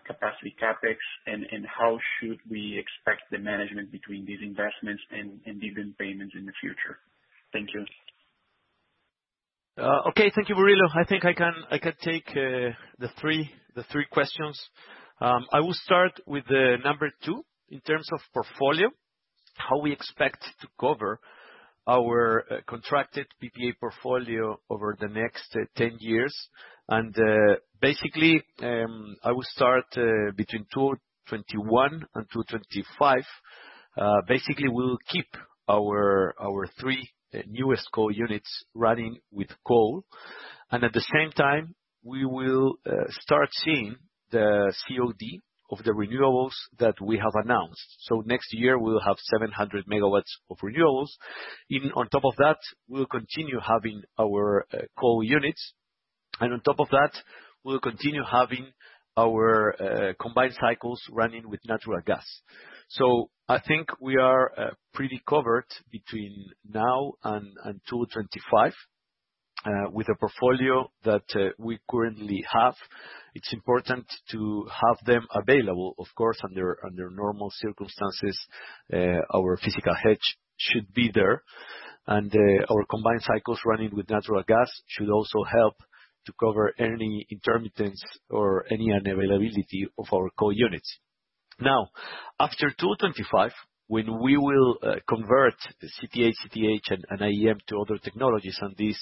capacity CapEx, and how should we expect the management between these investments and dividend payments in the future? Thank you. Okay. Thank you, Murilo. I think I can take the three questions. I will start with number two, in terms of portfolio, how we expect to cover our contracted PPA portfolio over the next 10 years. Basically, I will start between 2021 and 2025. Basically, we will keep our three newest coal units running with coal, and at the same time, we will start seeing the COD of the renewables that we have announced. Next year, we will have 700 MW of renewables. On top of that, we will continue having our coal units. On top of that, we will continue having our combined cycles running with natural gas. I think we are pretty covered between now and 2025, with the portfolio that we currently have. It's important to have them available. Of course, under normal circumstances, our physical hedge should be there, and our combined cycles running with natural gas should also help to cover any intermittence or any unavailability of our coal units. Now, after 2025, when we will convert the CTA, CTH, and IEM to other technologies, and these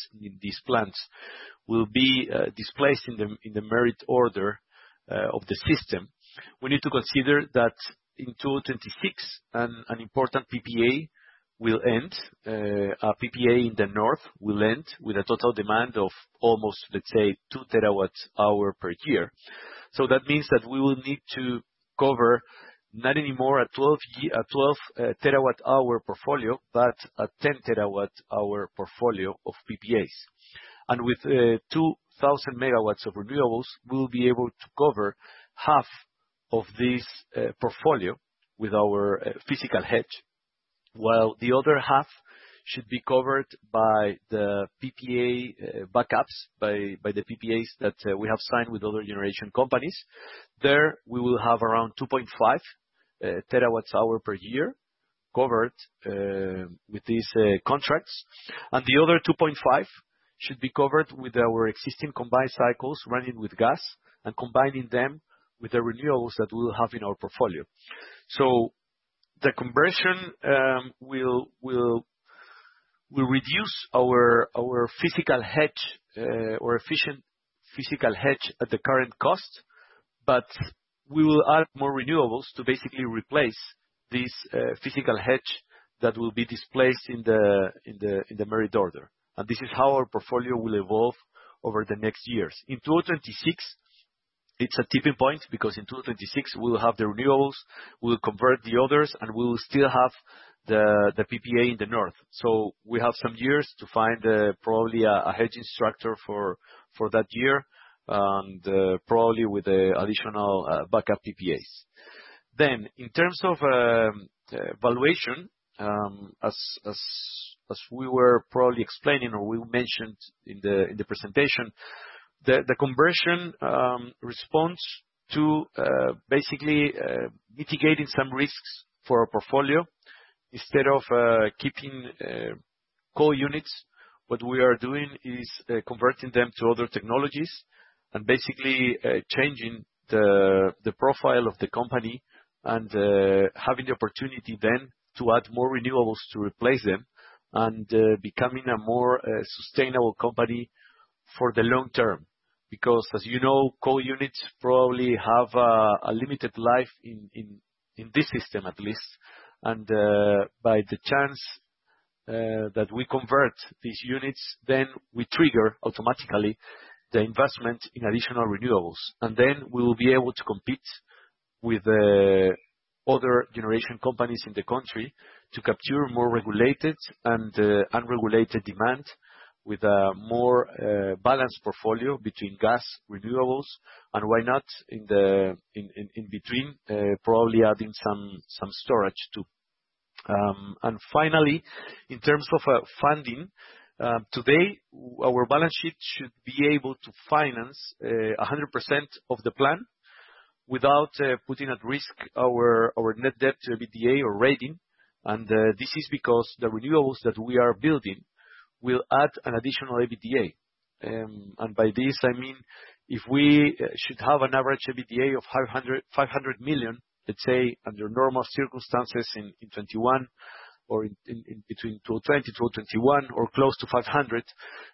plants will be displaced in the merit order of the system. We need to consider that in 2026, an important PPA will end. A PPA in the north will end with a total demand of almost, let's say, 2 TW hours per year. That means that we will need to cover not anymore a 12 TW-hour portfolio, but a 10 TW-hour portfolio of PPAs. With 2,000 MW of renewables, we will be able to cover half of this portfolio with our physical hedge, while the other half should be covered by the PPA backups, by the PPAs that we have signed with other generation companies. There, we will have around 2.5 TW-hours per year covered with these contracts. The other 2.5 should be covered with our existing combined cycles running with gas and combining them with the renewables that we'll have in our portfolio. The conversion will reduce our physical hedge or efficient physical hedge at the current cost, but we will add more renewables to basically replace this physical hedge that will be displaced in the merit order. This is how our portfolio will evolve over the next years. In 2026, it's a tipping point, because in 2026, we'll have the renewables, we'll convert the others, and we'll still have the PPA in the North. We have some years to find probably a hedge instructor for that year, and probably with additional backup PPAs. In terms of valuation, as we were probably explaining or we mentioned in the presentation, the conversion responds to basically mitigating some risks for our portfolio. Instead of keeping coal units, what we are doing is converting them to other technologies and basically changing the profile of the company and having the opportunity then to add more renewables to replace them, and becoming a more sustainable company for the long term. As you know, coal units probably have a limited life in this system, at least. By the chance that we convert these units, we trigger, automatically, the investment in additional renewables. We will be able to compete with other generation companies in the country to capture more regulated and unregulated demand with a more balanced portfolio between gas renewables and, why not, in between, probably adding some storage too. Finally, in terms of funding, today, our balance sheet should be able to finance 100% of the plan without putting at risk our net debt to EBITDA or rating. This is because the renewables that we are building will add an additional EBITDA. By this, I mean if we should have an average EBITDA of $500 million, let's say, under normal circumstances in 2021 or between 2020, 2021 or close to $500 million,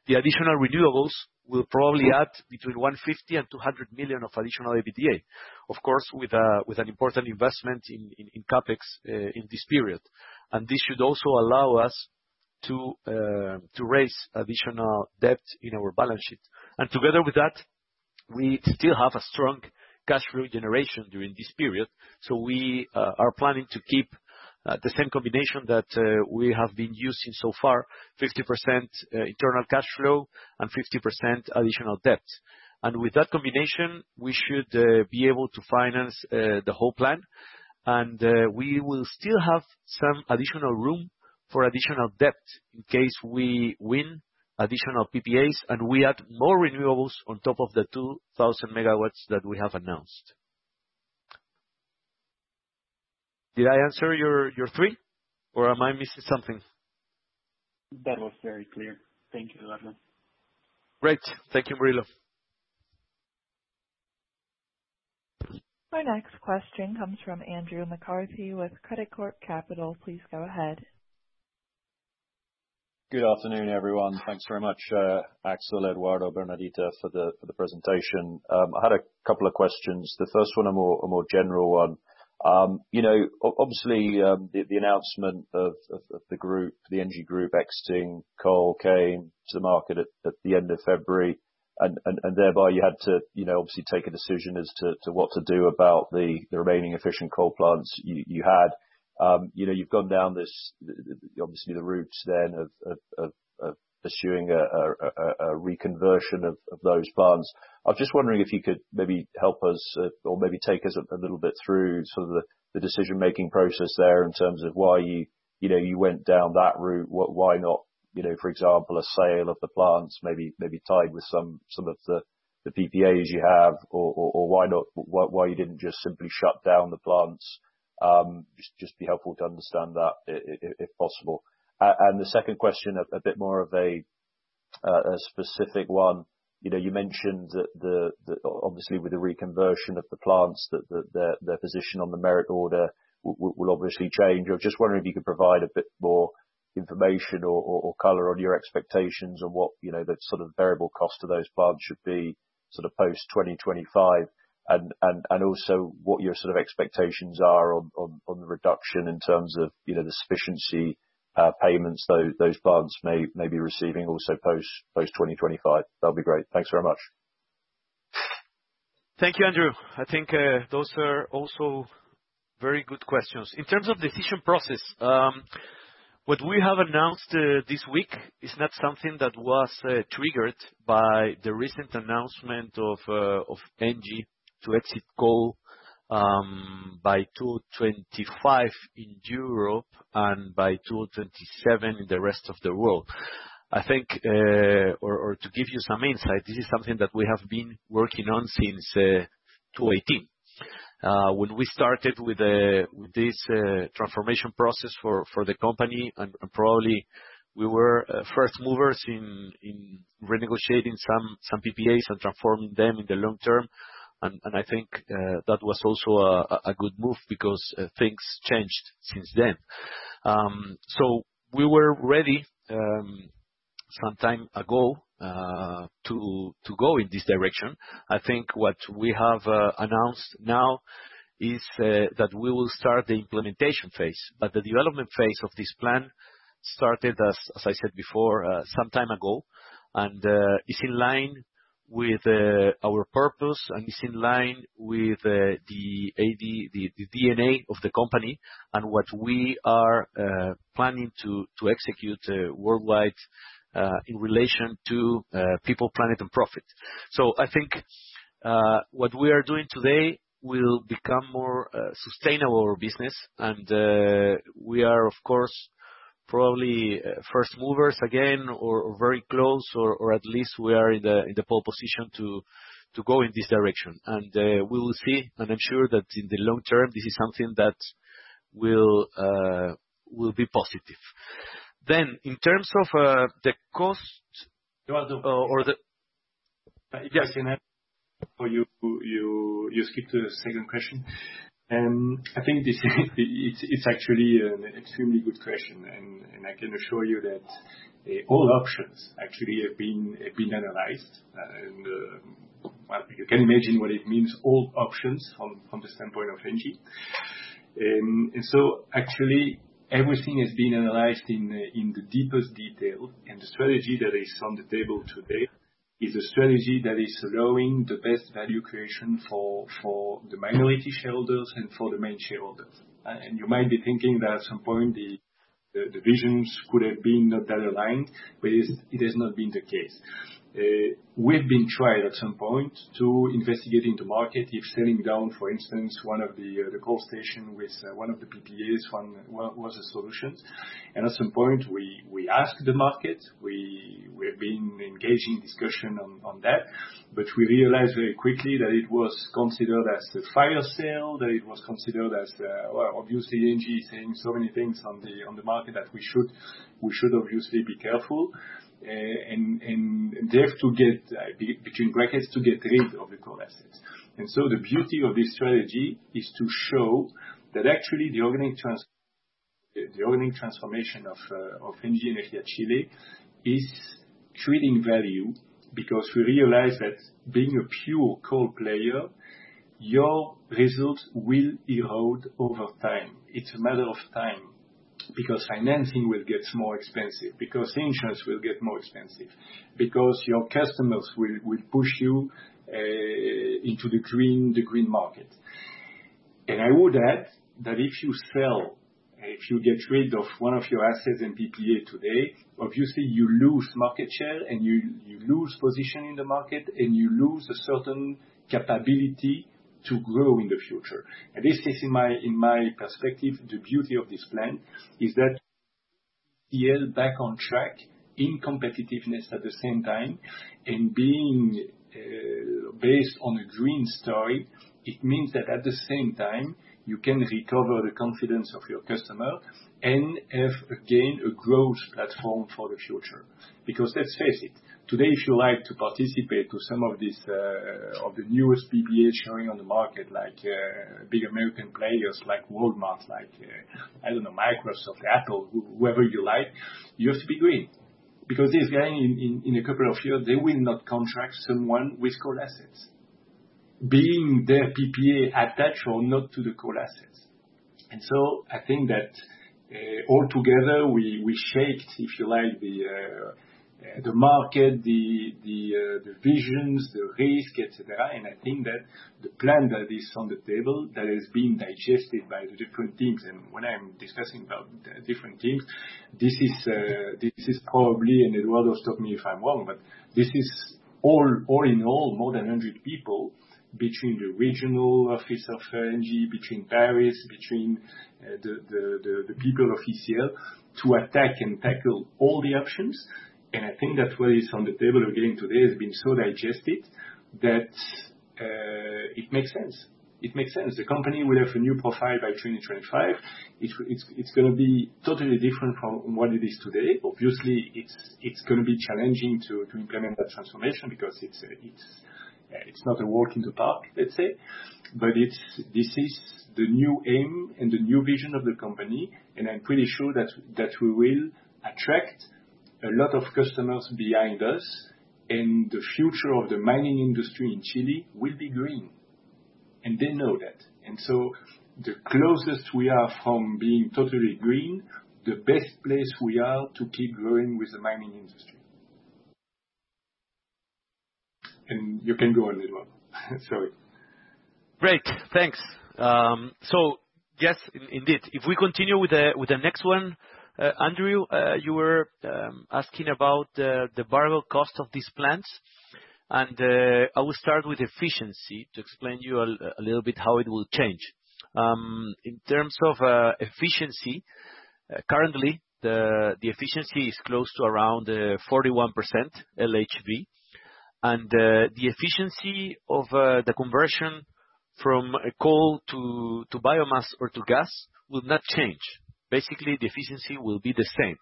the additional renewables will probably add between $150 million and $200 million of additional EBITDA. Of course, with an important investment in CapEx in this period. This should also allow us to raise additional debt in our balance sheet. Together with that, we still have a strong cash flow generation during this period, so we are planning to keep the same combination that we have been using so far, 50% internal cash flow and 50% additional debt. With that combination, we should be able to finance the whole plan. We will still have some additional room for additional debt in case we win additional PPAs and we add more renewables on top of the 2,000 megawatts that we have announced. Did I answer your three, or am I missing something? That was very clear. Thank you, Eduardo. Great. Thank you, Murilo. Our next question comes from Andrew McCarthy with Credicorp Capital. Please go ahead. Good afternoon, everyone. Thanks very much, Axel, Eduardo, Bernardita, for the presentation. I had a couple of questions. The first one, a more general one. Obviously, the announcement of the Engie group exiting coal came to the market at the end of February, and thereby you had to obviously take a decision as to what to do about the remaining efficient coal plants you had. You've gone down this, obviously, the route then of pursuing a reconversion of those plants. I was just wondering if you could maybe help us or maybe take us a little bit through sort of the decision-making process there in terms of why you went down that route. Why not, for example, a sale of the plants maybe tied with some of the PPAs you have, or why you didn't just simply shut down the plants? Just be helpful to understand that, if possible. The second question, a bit more of a specific one. You mentioned that obviously with the reconversion of the plants, their position on the merit order will obviously change. I was just wondering if you could provide a bit more information or color on your expectations on what the sort of variable cost of those plants should be post 2025, and also what your sort of expectations are on the reduction in terms of the sufficiency payments those plants may be receiving also post-2025. That will be great. Thanks very much. Thank you, Andrew. I think those are also very good questions. In terms of decision process, what we have announced this week is not something that was triggered by the recent announcement of Engie to exit coal by 2025 in Europe and by 2027 in the rest of the world. I think, or to give you some insight, this is something that we have been working on since 2018. When we started with this transformation process for the company, probably we were first movers in renegotiating some PPAs and transforming them in the long-term. I think that was also a good move because things changed since then. We were ready, some time ago, to go in this direction. I think what we have announced now is that we will start the implementation phase. The development phase of this plan started as I said before, some time ago, and is in line with our purpose and is in line with the DNA of the company and what we are planning to execute worldwide, in relation to people, planet, and profit. I think what we are doing today will become more sustainable business. We are, of course, probably first movers again or very close, or at least we are in the pole position to go in this direction. We will see, and I'm sure that in the long-term, this is something that will be positive. In terms of the cost or. Yes. Can I speak to the second question? I think it's actually an extremely good question, and I can assure you that all options actually have been analyzed. Well, you can imagine what it means, all options from the standpoint of Engie. Actually everything has been analyzed in the deepest detail. The strategy that is on the table today is a strategy that is allowing the best value creation for the minority shareholders and for the main shareholders. You might be thinking that at some point the divisions could have been better aligned, but it has not been the case. We've been tried at some point to investigate in the market if selling down, for instance, one of the coal station with one of the PPAs was a solution. At some point we asked the market, we've been engaging discussion on that. We realized very quickly that it was considered as a fire sale, that it was considered as, obviously Engie is saying so many things on the market that we should obviously be careful, and there to get, between brackets, to get rid of the coal assets. The beauty of this strategy is to show that actually the organic transformation of Engie Energia Chile is creating value because we realize that being a pure coal player, your results will erode over time. It's a matter of time. Because financing will get more expensive, because insurance will get more expensive, because your customers will push you into the green market. I would add that if you sell, if you get rid of one of your assets in PPA today, obviously you lose market share, and you lose position in the market, and you lose a certain capability to grow in the future. This is, in my perspective, the beauty of this plan is that ECL back on track in competitiveness at the same time, and being based on a green story, it means that at the same time, you can recover the confidence of your customer and have, again, a growth platform for the future. Let's face it, today if you like to participate to some of the newest PPA showing on the market, like big American players like Walmart, like, I don't know, Microsoft, Apple, whoever you like, you have to be green. These guys in a couple of years, they will not contract someone with coal assets. Being their PPA attached or not to the coal assets. I think that altogether, we shaped, if you like, the market, the visions, the risk, et cetera. I think that the plan that is on the table, that is being digested by the different teams, and when I'm discussing about different teams, this is probably, and Eduardo, stop me if I'm wrong, but this is all in all, more than 100 people between the regional office of Engie, between Paris, between the people of ECL, to attack and tackle all the options. I think that what is on the table we're getting today has been so digested that it makes sense. The company will have a new profile by 2025. It's going to be totally different from what it is today. Obviously, it's going to be challenging to implement that transformation because it's not a walk in the park, let's say. This is the new aim and the new vision of the company, and I'm pretty sure that we will attract a lot of customers behind us. The future of the mining industry in Chile will be green, and they know that. So the closest we are from being totally green, the best place we are to keep growing with the mining industry. You can go on as well. Sorry. Great. Thanks. Yes, indeed. Andrew, you were asking about the variable cost of these plants. I will start with efficiency to explain you a little bit how it will change. In terms of efficiency, currently, the efficiency is close to around 41% LHV. The efficiency of the conversion from coal to biomass or to gas will not change. Basically, the efficiency will be the same.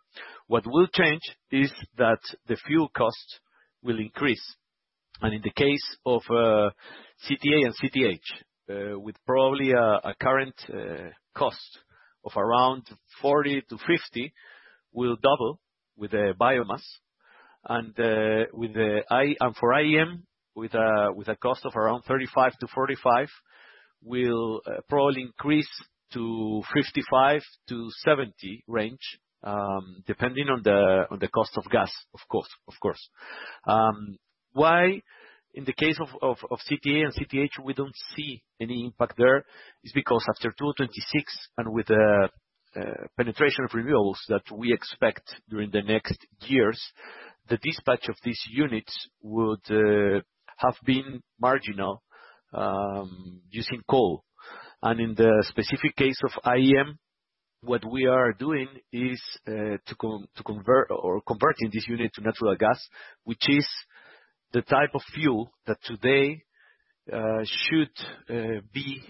What will change is that the fuel cost will increase. In the case of CTA and CTH, with probably a current cost of around $40-$50, will double with the biomass. For IEM, with a cost of around $35-$45, will probably increase to $55-$70 range, depending on the cost of gas, of course. Why, in the case of CTA and CTH, we don't see any impact there is because after 2026, and with the penetration of renewables that we expect during the next years, the dispatch of these units would have been marginal using coal. In the specific case of IEM, what we are doing is converting this unit to natural gas, which is the type of fuel that today should be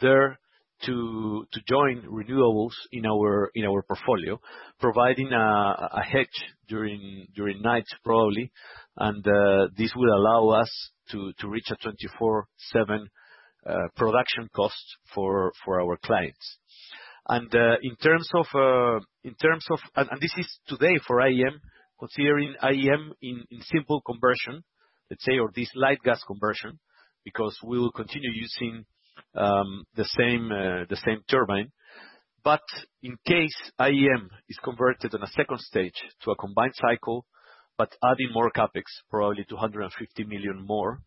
there to join renewables in our portfolio, providing a hedge during nights, probably. This will allow us to reach a 24/7 production cost for our clients. This is today for IEM, considering IEM in simple conversion, let's say, or this light gas conversion, because we'll continue using the same turbine. In case IEM is converted in a second stage to a combined cycle, but adding more CapEx, probably $250 million more,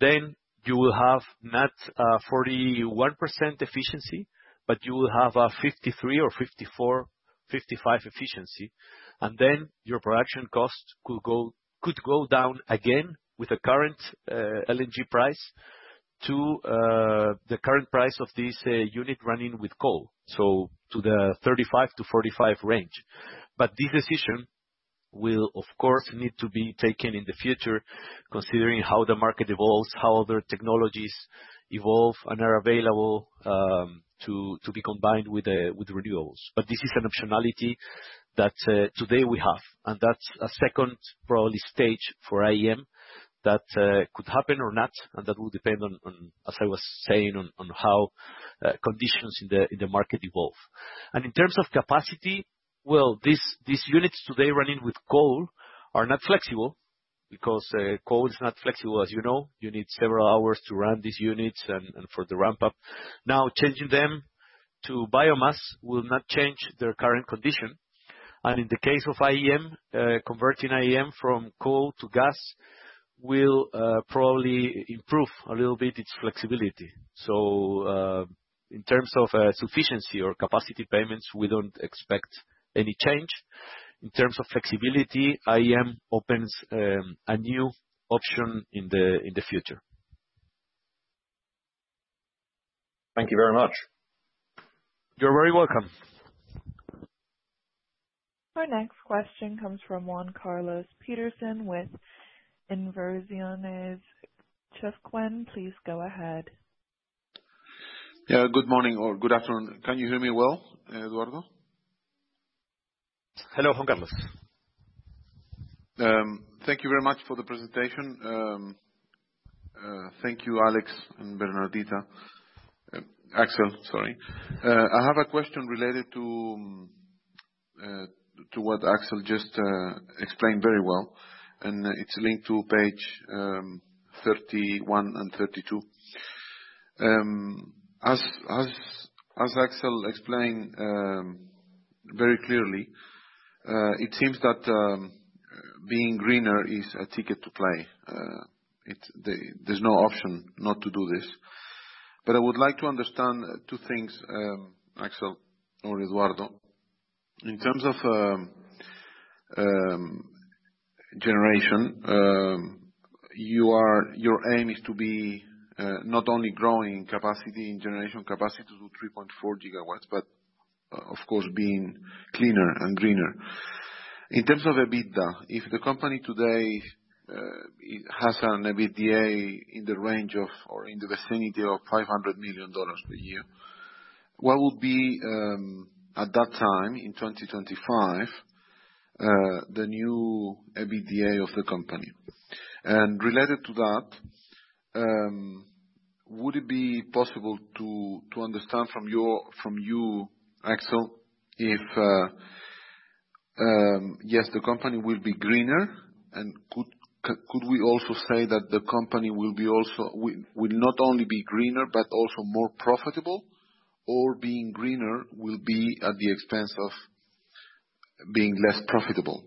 then you will have not 41% efficiency, but you will have a 53 or 54, 55 efficiency. Then your production cost could go down again with the current LNG price to the current price of this unit running with coal, so to the 35-45 range. This decision will, of course, need to be taken in the future, considering how the market evolves, how other technologies evolve and are available to be combined with renewables. This is an optionality that today we have, and that's a second, probably, stage for IEM that could happen or not, and that will depend, as I was saying, on how conditions in the market evolve. In terms of capacity, well, these units today running with coal are not flexible because coal is not flexible, as you know. You need several hours to run these units and for the ramp-up. Changing them to biomass will not change their current condition. In the case of IEM, converting IEM from coal to gas will probably improve a little bit its flexibility. In terms of sufficiency or capacity payments, we don't expect any change. In terms of flexibility, IEM opens a new option in the future. Thank you very much. You're very welcome. Our next question comes from Juan Carlos Petersen with Inversiones. Jeff Quinn, please go ahead. Yeah. Good morning or good afternoon. Can you hear me well, Eduardo? Hello, Juan Carlos. Thank you very much for the presentation. Thank you, Axel and Bernardita. Axel, sorry. I have a question related to what Axel just explained very well, and it's linked to page 31 and 32. As Axel explained very clearly, it seems that being greener is a ticket to play. There's no option not to do this. I would like to understand two things, Axel or Eduardo. In terms of generation, your aim is to be not only growing capacity and generation capacity to 3.4 GW, but of course, being cleaner and greener. In terms of EBITDA, if the company today has an EBITDA in the range of or in the vicinity of $500 million per year, what would be, at that time, in 2025, the new EBITDA of the company? Related to that, would it be possible to understand from you, Axel, if, yes, the company will be greener, and could we also say that the company will not only be greener but also more profitable? Being greener will be at the expense of being less profitable?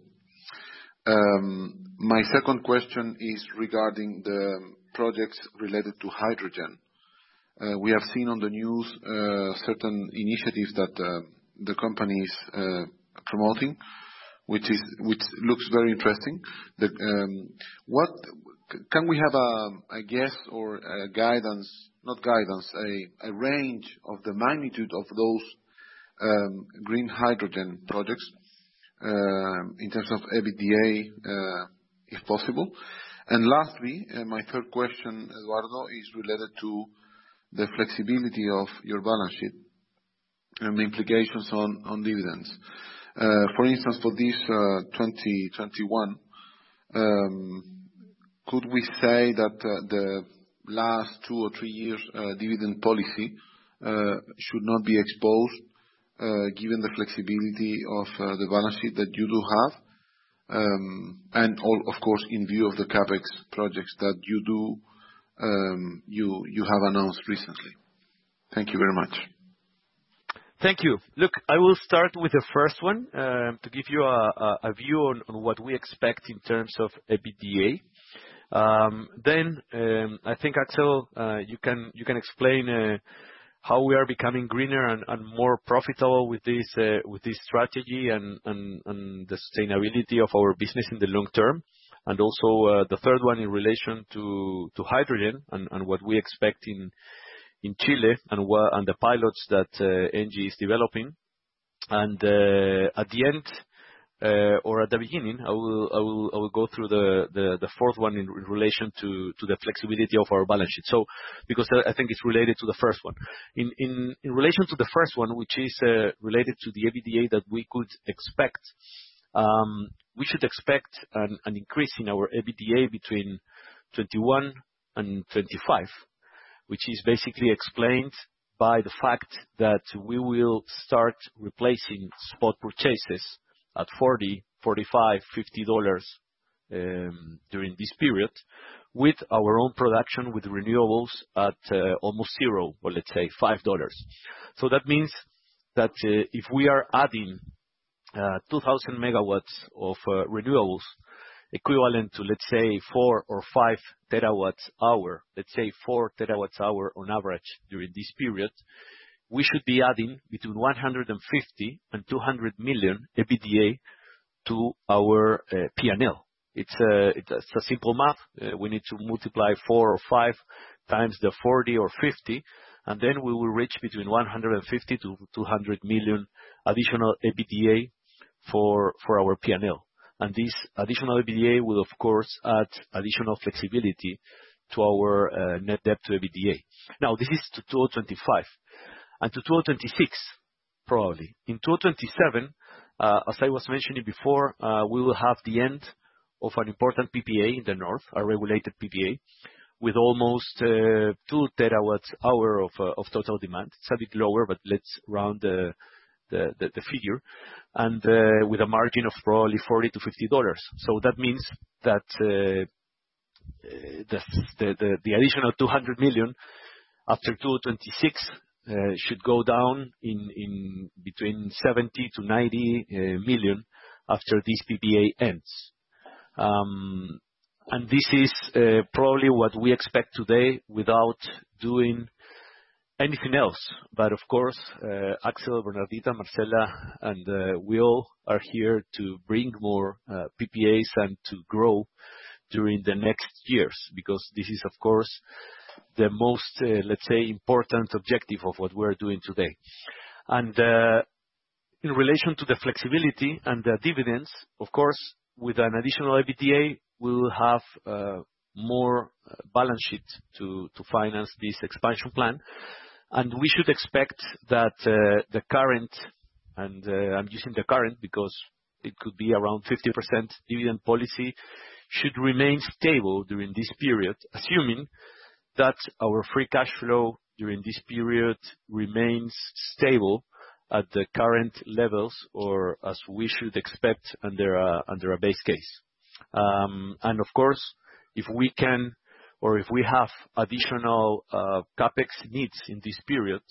My second question is regarding the projects related to hydrogen. We have seen on the news certain initiatives that the company is promoting, which looks very interesting. Can we have a guess or a range of the magnitude of those green hydrogen projects, in terms of EBITDA, if possible? Lastly, my third question, Eduardo, is related to the flexibility of your balance sheet and the implications on dividends. For instance, for this 2021, could we say that the last two or three years' dividend policy should not be exposed, given the flexibility of the balance sheet that you do have? All, of course, in view of the CapEx projects that you have announced recently. Thank you very much. Thank you. Look, I will start with the first one, to give you a view on what we expect in terms of EBITDA. I think, Axel, you can explain how we are becoming greener and more profitable with this strategy and the sustainability of our business in the long term. Also, the third one, in relation to hydrogen and what we expect in Chile and the pilots that Engie is developing. At the end or at the beginning, I will go through the fourth one in relation to the flexibility of our balance sheet, because I think it's related to the first one. In relation to the first one, which is related to the EBITDA that we could expect. We should expect an increase in our EBITDA between 2021 and 2025, which is basically explained by the fact that we will start replacing spot purchases at $40, $45, $50 during this period with our own production, with renewables at almost zero, or let's say $5. That means that if we are adding 2,000 MW of renewables equivalent to, let's say, 4 TW hours or 5 TW hours, let's say four terawatt hours on average during this period, we should be adding between $150 million and $200 million EBITDA to our P&L. It's a simple math. We need to multiply four or five times the 40 or 50, and then we will reach between $150 million to $200 million additional EBITDA for our P&L. This additional EBITDA will, of course, add additional flexibility to our net debt to EBITDA. Now, this is to 2025 and to 2026, probably. In 2027, as I was mentioning before, we will have the end of an important PPA in the north, a regulated PPA, with almost 2 TW hour of total demand. It's a bit lower, but let's round the figure. With a margin of probably $40-$50. That means that the additional $200 million after 2026 should go down in between $70 million-$90 million after this PPA ends. This is probably what we expect today without doing anything else. Of course, Axel, Bernardita, Marcela, and we all are here to bring more PPAs and to grow during the next years, because this is, of course, the most, let's say, important objective of what we're doing today. In relation to the flexibility and the dividends, of course, with an additional EBITDA, we will have more balance sheet to finance this expansion plan. We should expect that the current, and I'm using the current because it could be around 50% dividend policy, should remain stable during this period, assuming that our free cash flow during this period remains stable at the current levels or as we should expect under our base case. Of course, if we can or if we have additional CapEx needs in this period,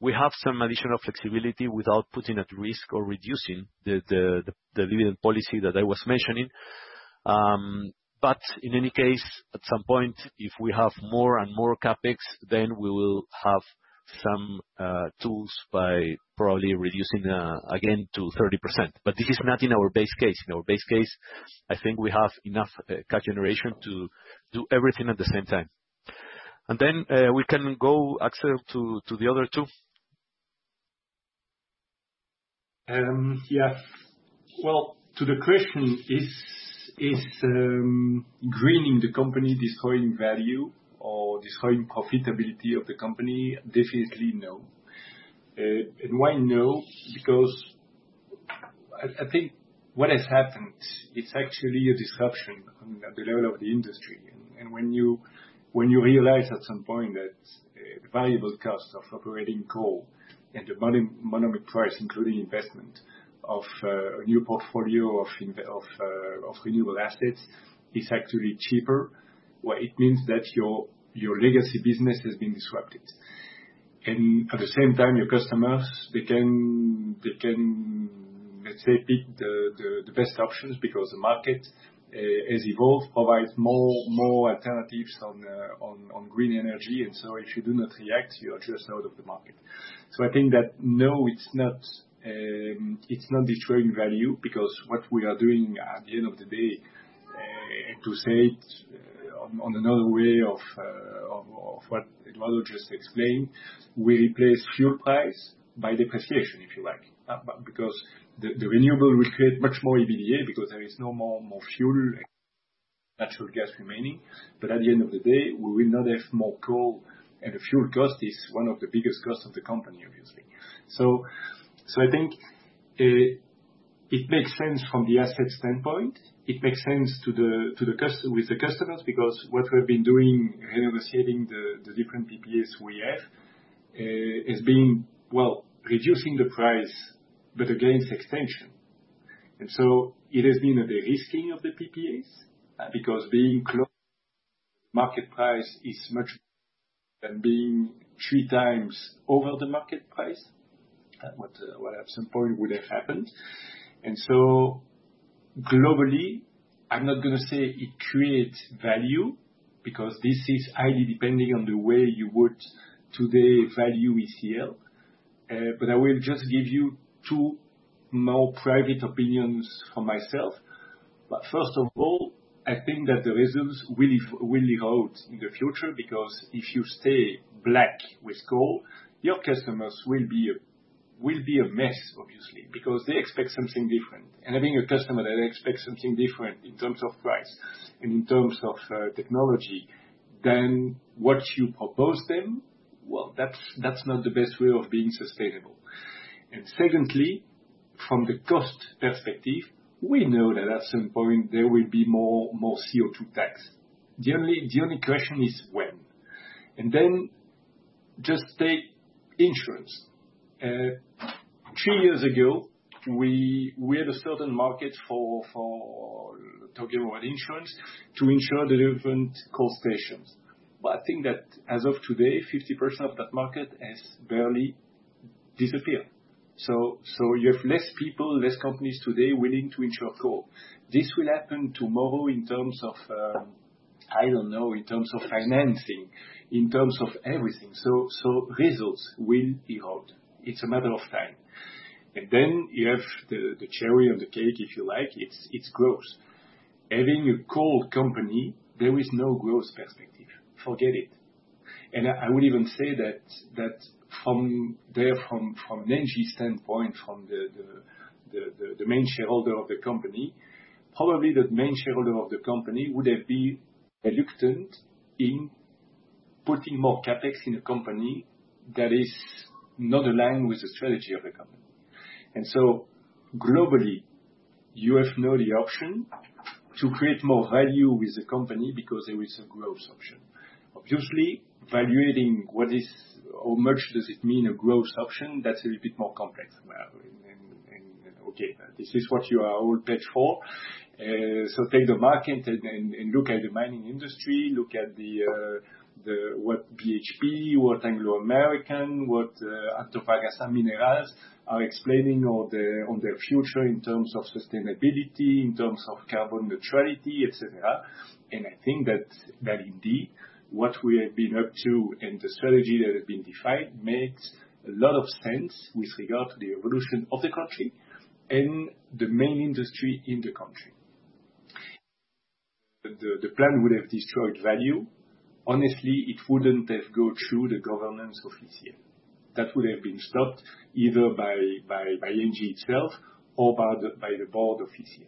we have some additional flexibility without putting at risk or reducing the dividend policy that I was mentioning. In any case, at some point, if we have more and more CapEx, we will have some tools by probably reducing, again, to 30%. This is not in our base case. In our base case, I think we have enough cash generation to do everything at the same time. We can go, Axel, to the other two. Yeah. Well, to the question, is greening the company destroying value or destroying profitability of the company? Definitely no. Why no? I think what has happened, it's actually a disruption at the level of the industry. When you realize at some point that variable cost of operating coal and the marginal price, including investment of a new portfolio of renewable assets, is actually cheaper. What it means that your legacy business has been disrupted. At the same time, your customers, they can, let's say, pick the best options because the market has evolved, provides more alternatives on green energy. If you do not react, you are just out of the market. I think that, no, it's not destroying value because what we are doing at the end of the day. To say it on another way of what Eduardo just explained, we replace fuel price by depreciation, if you like. The renewable will create much more EBITDA because there is no more fuel, natural gas remaining. At the end of the day, we will not have more coal, and the fuel cost is one of the biggest costs of the company, obviously. I think, it makes sense from the asset standpoint. It makes sense with the customers, because what we've been doing, renegotiating the different PPAs we have, is being, well, reducing the price, but against extension. It has been a de-risking of the PPAs, because being close to market price is much than being 3x over the market price. What at some point would have happened. Globally, I'm not going to say it creates value, because this is highly depending on the way you would today value ECL. I will just give you two more private opinions for myself. First of all, I think that the results will hold in the future. Because if you stay black with coal, your customers will be a mess, obviously, because they expect something different. Having a customer that expects something different in terms of price and in terms of technology than what you propose them, well, that's not the best way of being sustainable. Secondly, from the cost perspective, we know that at some point there will be more CO2 tax. The only question is when. Then just take insurance. Three years ago, we had a certain market for talking about insurance to insure the different coal stations. I think that as of today, 50% of that market has barely disappeared. You have less people, less companies today willing to insure coal. This will happen tomorrow in terms of financing, in terms of everything. Results will be out. It's a matter of time. You have the cherry on the cake, if you like. It's growth. Having a coal company, there is no growth perspective. Forget it. I would even say that from there, from Engie standpoint, from the main shareholder of the company, probably the main shareholder of the company would have been reluctant in putting more CapEx in a company that is not aligned with the strategy of the company. Globally, you have now the option to create more value with the company because there is a growth option. Obviously, valuating how much does it mean a growth option? That's a little bit more complex. Okay, this is what you are all pitched for. Take the market and look at the mining industry, look at what BHP, what Anglo American, what Antofagasta Minerals are explaining on their future in terms of sustainability, in terms of carbon neutrality, et cetera. I think that indeed, what we have been up to and the strategy that has been defined makes a lot of sense with regard to the evolution of the country and the main industry in the country. The plan would have destroyed value. Honestly, it wouldn't have go through the governance of ECL. That would have been stopped either by Engie itself or by the board of ECL.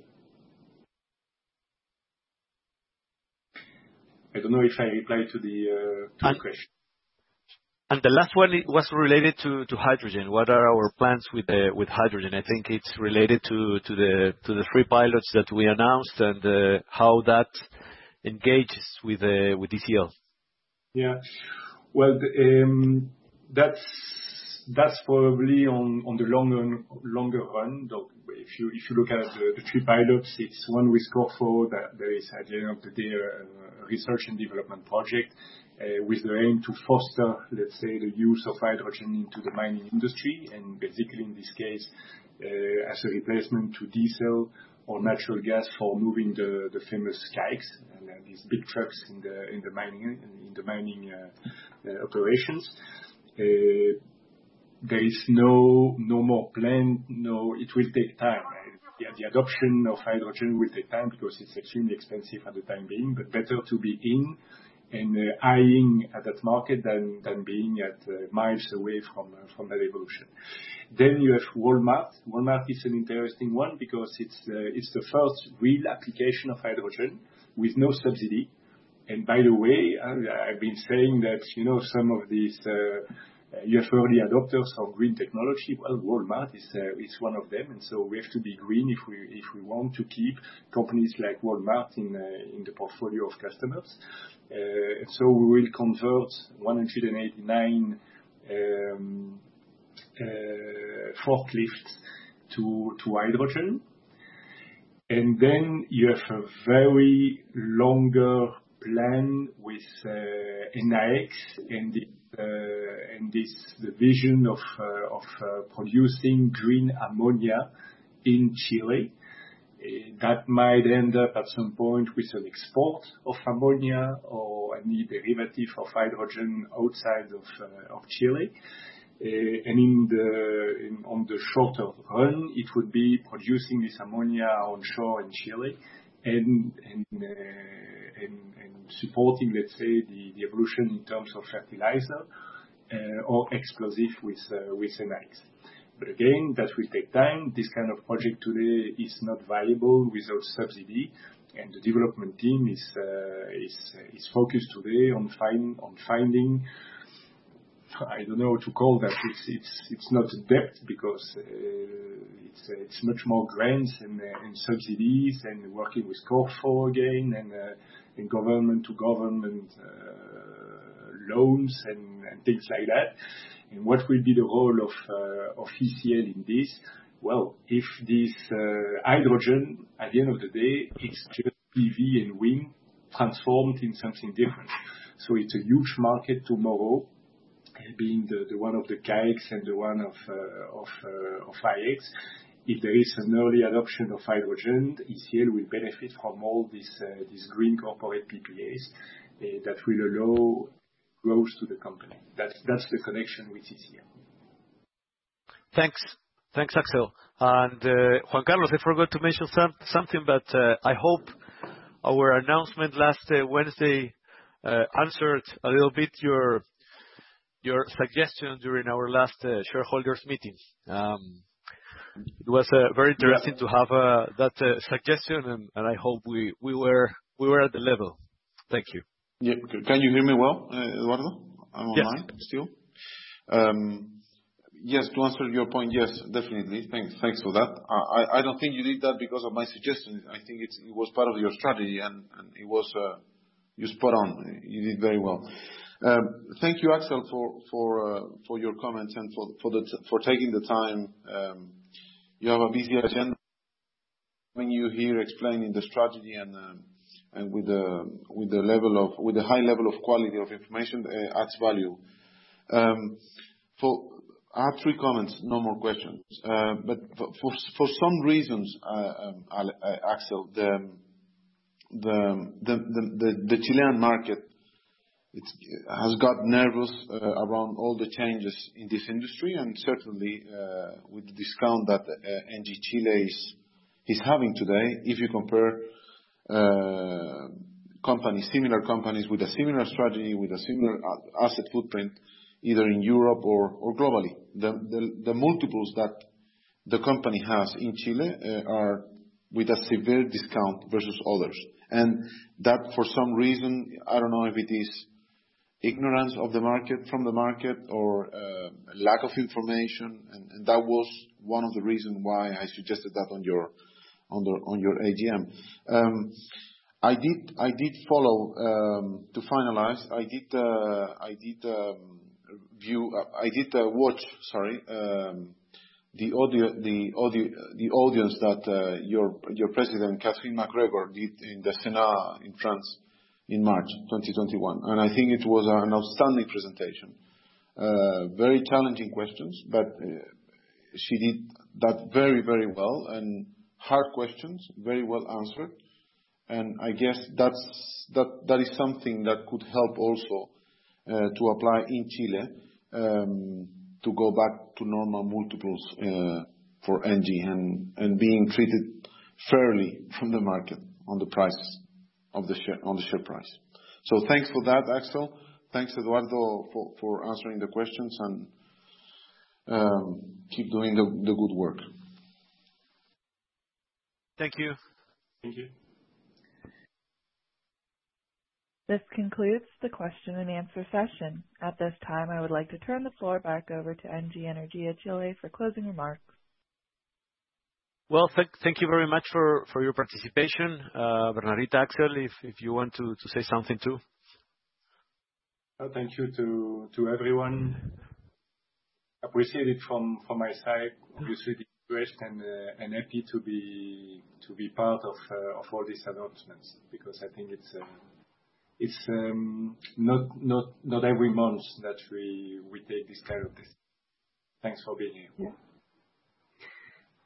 I don't know if I replied to the question. The last one was related to hydrogen. What are our plans with hydrogen? I think it's related to the three pilots that we announced and how that engages with ECL. Yeah. Well, that's probably on the longer run. If you look at the three pilots, it's one with Scorpio that is, at the end of the day, a research and development project, with the aim to foster, let's say, the use of hydrogen into the mining industry, and specifically in this case, as a replacement to diesel or natural gas for moving the famous CAEX, these big trucks in the mining operations. There is no more plan. No, it will take time. The adoption of hydrogen will take time because it's extremely expensive for the time being, but better to be in and eyeing at that market than being at miles away from that evolution. You have Walmart. Walmart is an interesting one because it's the first real application of hydrogen with no subsidy. By the way, I've been saying that some of these early adopters of green technology, well, Walmart is one of them. We have to be green if we want to keep companies like Walmart in the portfolio of customers. We will convert 189 forklifts to hydrogen. You have a very longer plan with Enaex and this vision of producing green ammonia in Chile. That might end up at some point with an export of ammonia or any derivative of hydrogen outside of Chile. On the shorter run, it would be producing this ammonia onshore in Chile and supporting, let's say, the evolution in terms of fertilizer or explosive with Enaex. Again, that will take time. This kind of project today is not viable without subsidy, and the development team is focused today on finding, I don't know what to call that. It's not a debt because it's much more grants and subsidies and working with CORFO again, and government-to-government loans and things like that. What will be the role of ECL in this? If this hydrogen, at the end of the day, is just PV and wind transformed in something different. It's a huge market tomorrow, being the one of the CAEX and the one of Enaex. If there is an early adoption of hydrogen, ECL will benefit from all this green corporate PPAs that will allow growth to the company. That's the connection with ECL. Thanks, Axel. Juan Carlos, I forgot to mention something, but I hope our announcement last Wednesday answered a little bit your suggestion during our last shareholders meetings. It was very interesting to have that suggestion, and I hope we were at the level. Thank you. Can you hear me well, Eduardo? Yes. I'm online still. Yes, to answer your point, yes, definitely. Thanks for that. I don't think you did that because of my suggestion. I think it was part of your strategy, and you're spot on. You did very well. Thank you, Axel, for your comments and for taking the time. You have a busy agenda. Having you here explaining the strategy and with the high level of quality of information adds value. I have three comments, no more questions. For some reasons, Axel, the Chilean market has got nervous around all the changes in this industry and certainly with the discount that Engie Chile is having today, if you compare similar companies with a similar strategy, with a similar asset footprint, either in Europe or globally. The multiples that the company has in Chile are with a severe discount versus others. That, for some reason, I don't know if it is ignorance from the market or lack of information, and that was one of the reasons why I suggested that on your AGM. To finalize, I did watch the audience that your President Catherine MacGregor did in the Sénat in France in March 2021. I think it was an outstanding presentation. Very challenging questions, but she did that very well, and hard questions very well answered. I guess that is something that could help also to apply in Chile, to go back to normal multiples for Engie and being treated fairly from the market on the share price. Thanks for that, Axel. Thanks, Eduardo, for answering the questions and keep doing the good work. Thank you. Thank you. This concludes the question and answer session. At this time, I would like to turn the floor back over to Engie Energia Chile for closing remarks. Well, thank you very much for your participation. Bernardita, Axel, if you want to say something, too. Thank you to everyone. Appreciate it from my side. Appreciate the trust and happy to be part of all these announcements, because I think it's not every month that we take this kind of decision. Thanks for being here.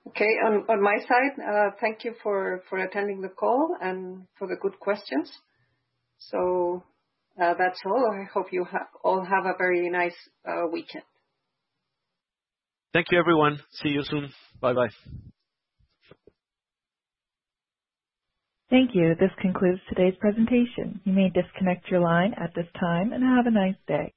Okay. On my side, thank you for attending the call and for the good questions. That's all. I hope you all have a very nice weekend. Thank you, everyone. See you soon. Bye-bye. Thank you. This concludes today's presentation. You may disconnect your line at this time, and have a nice day.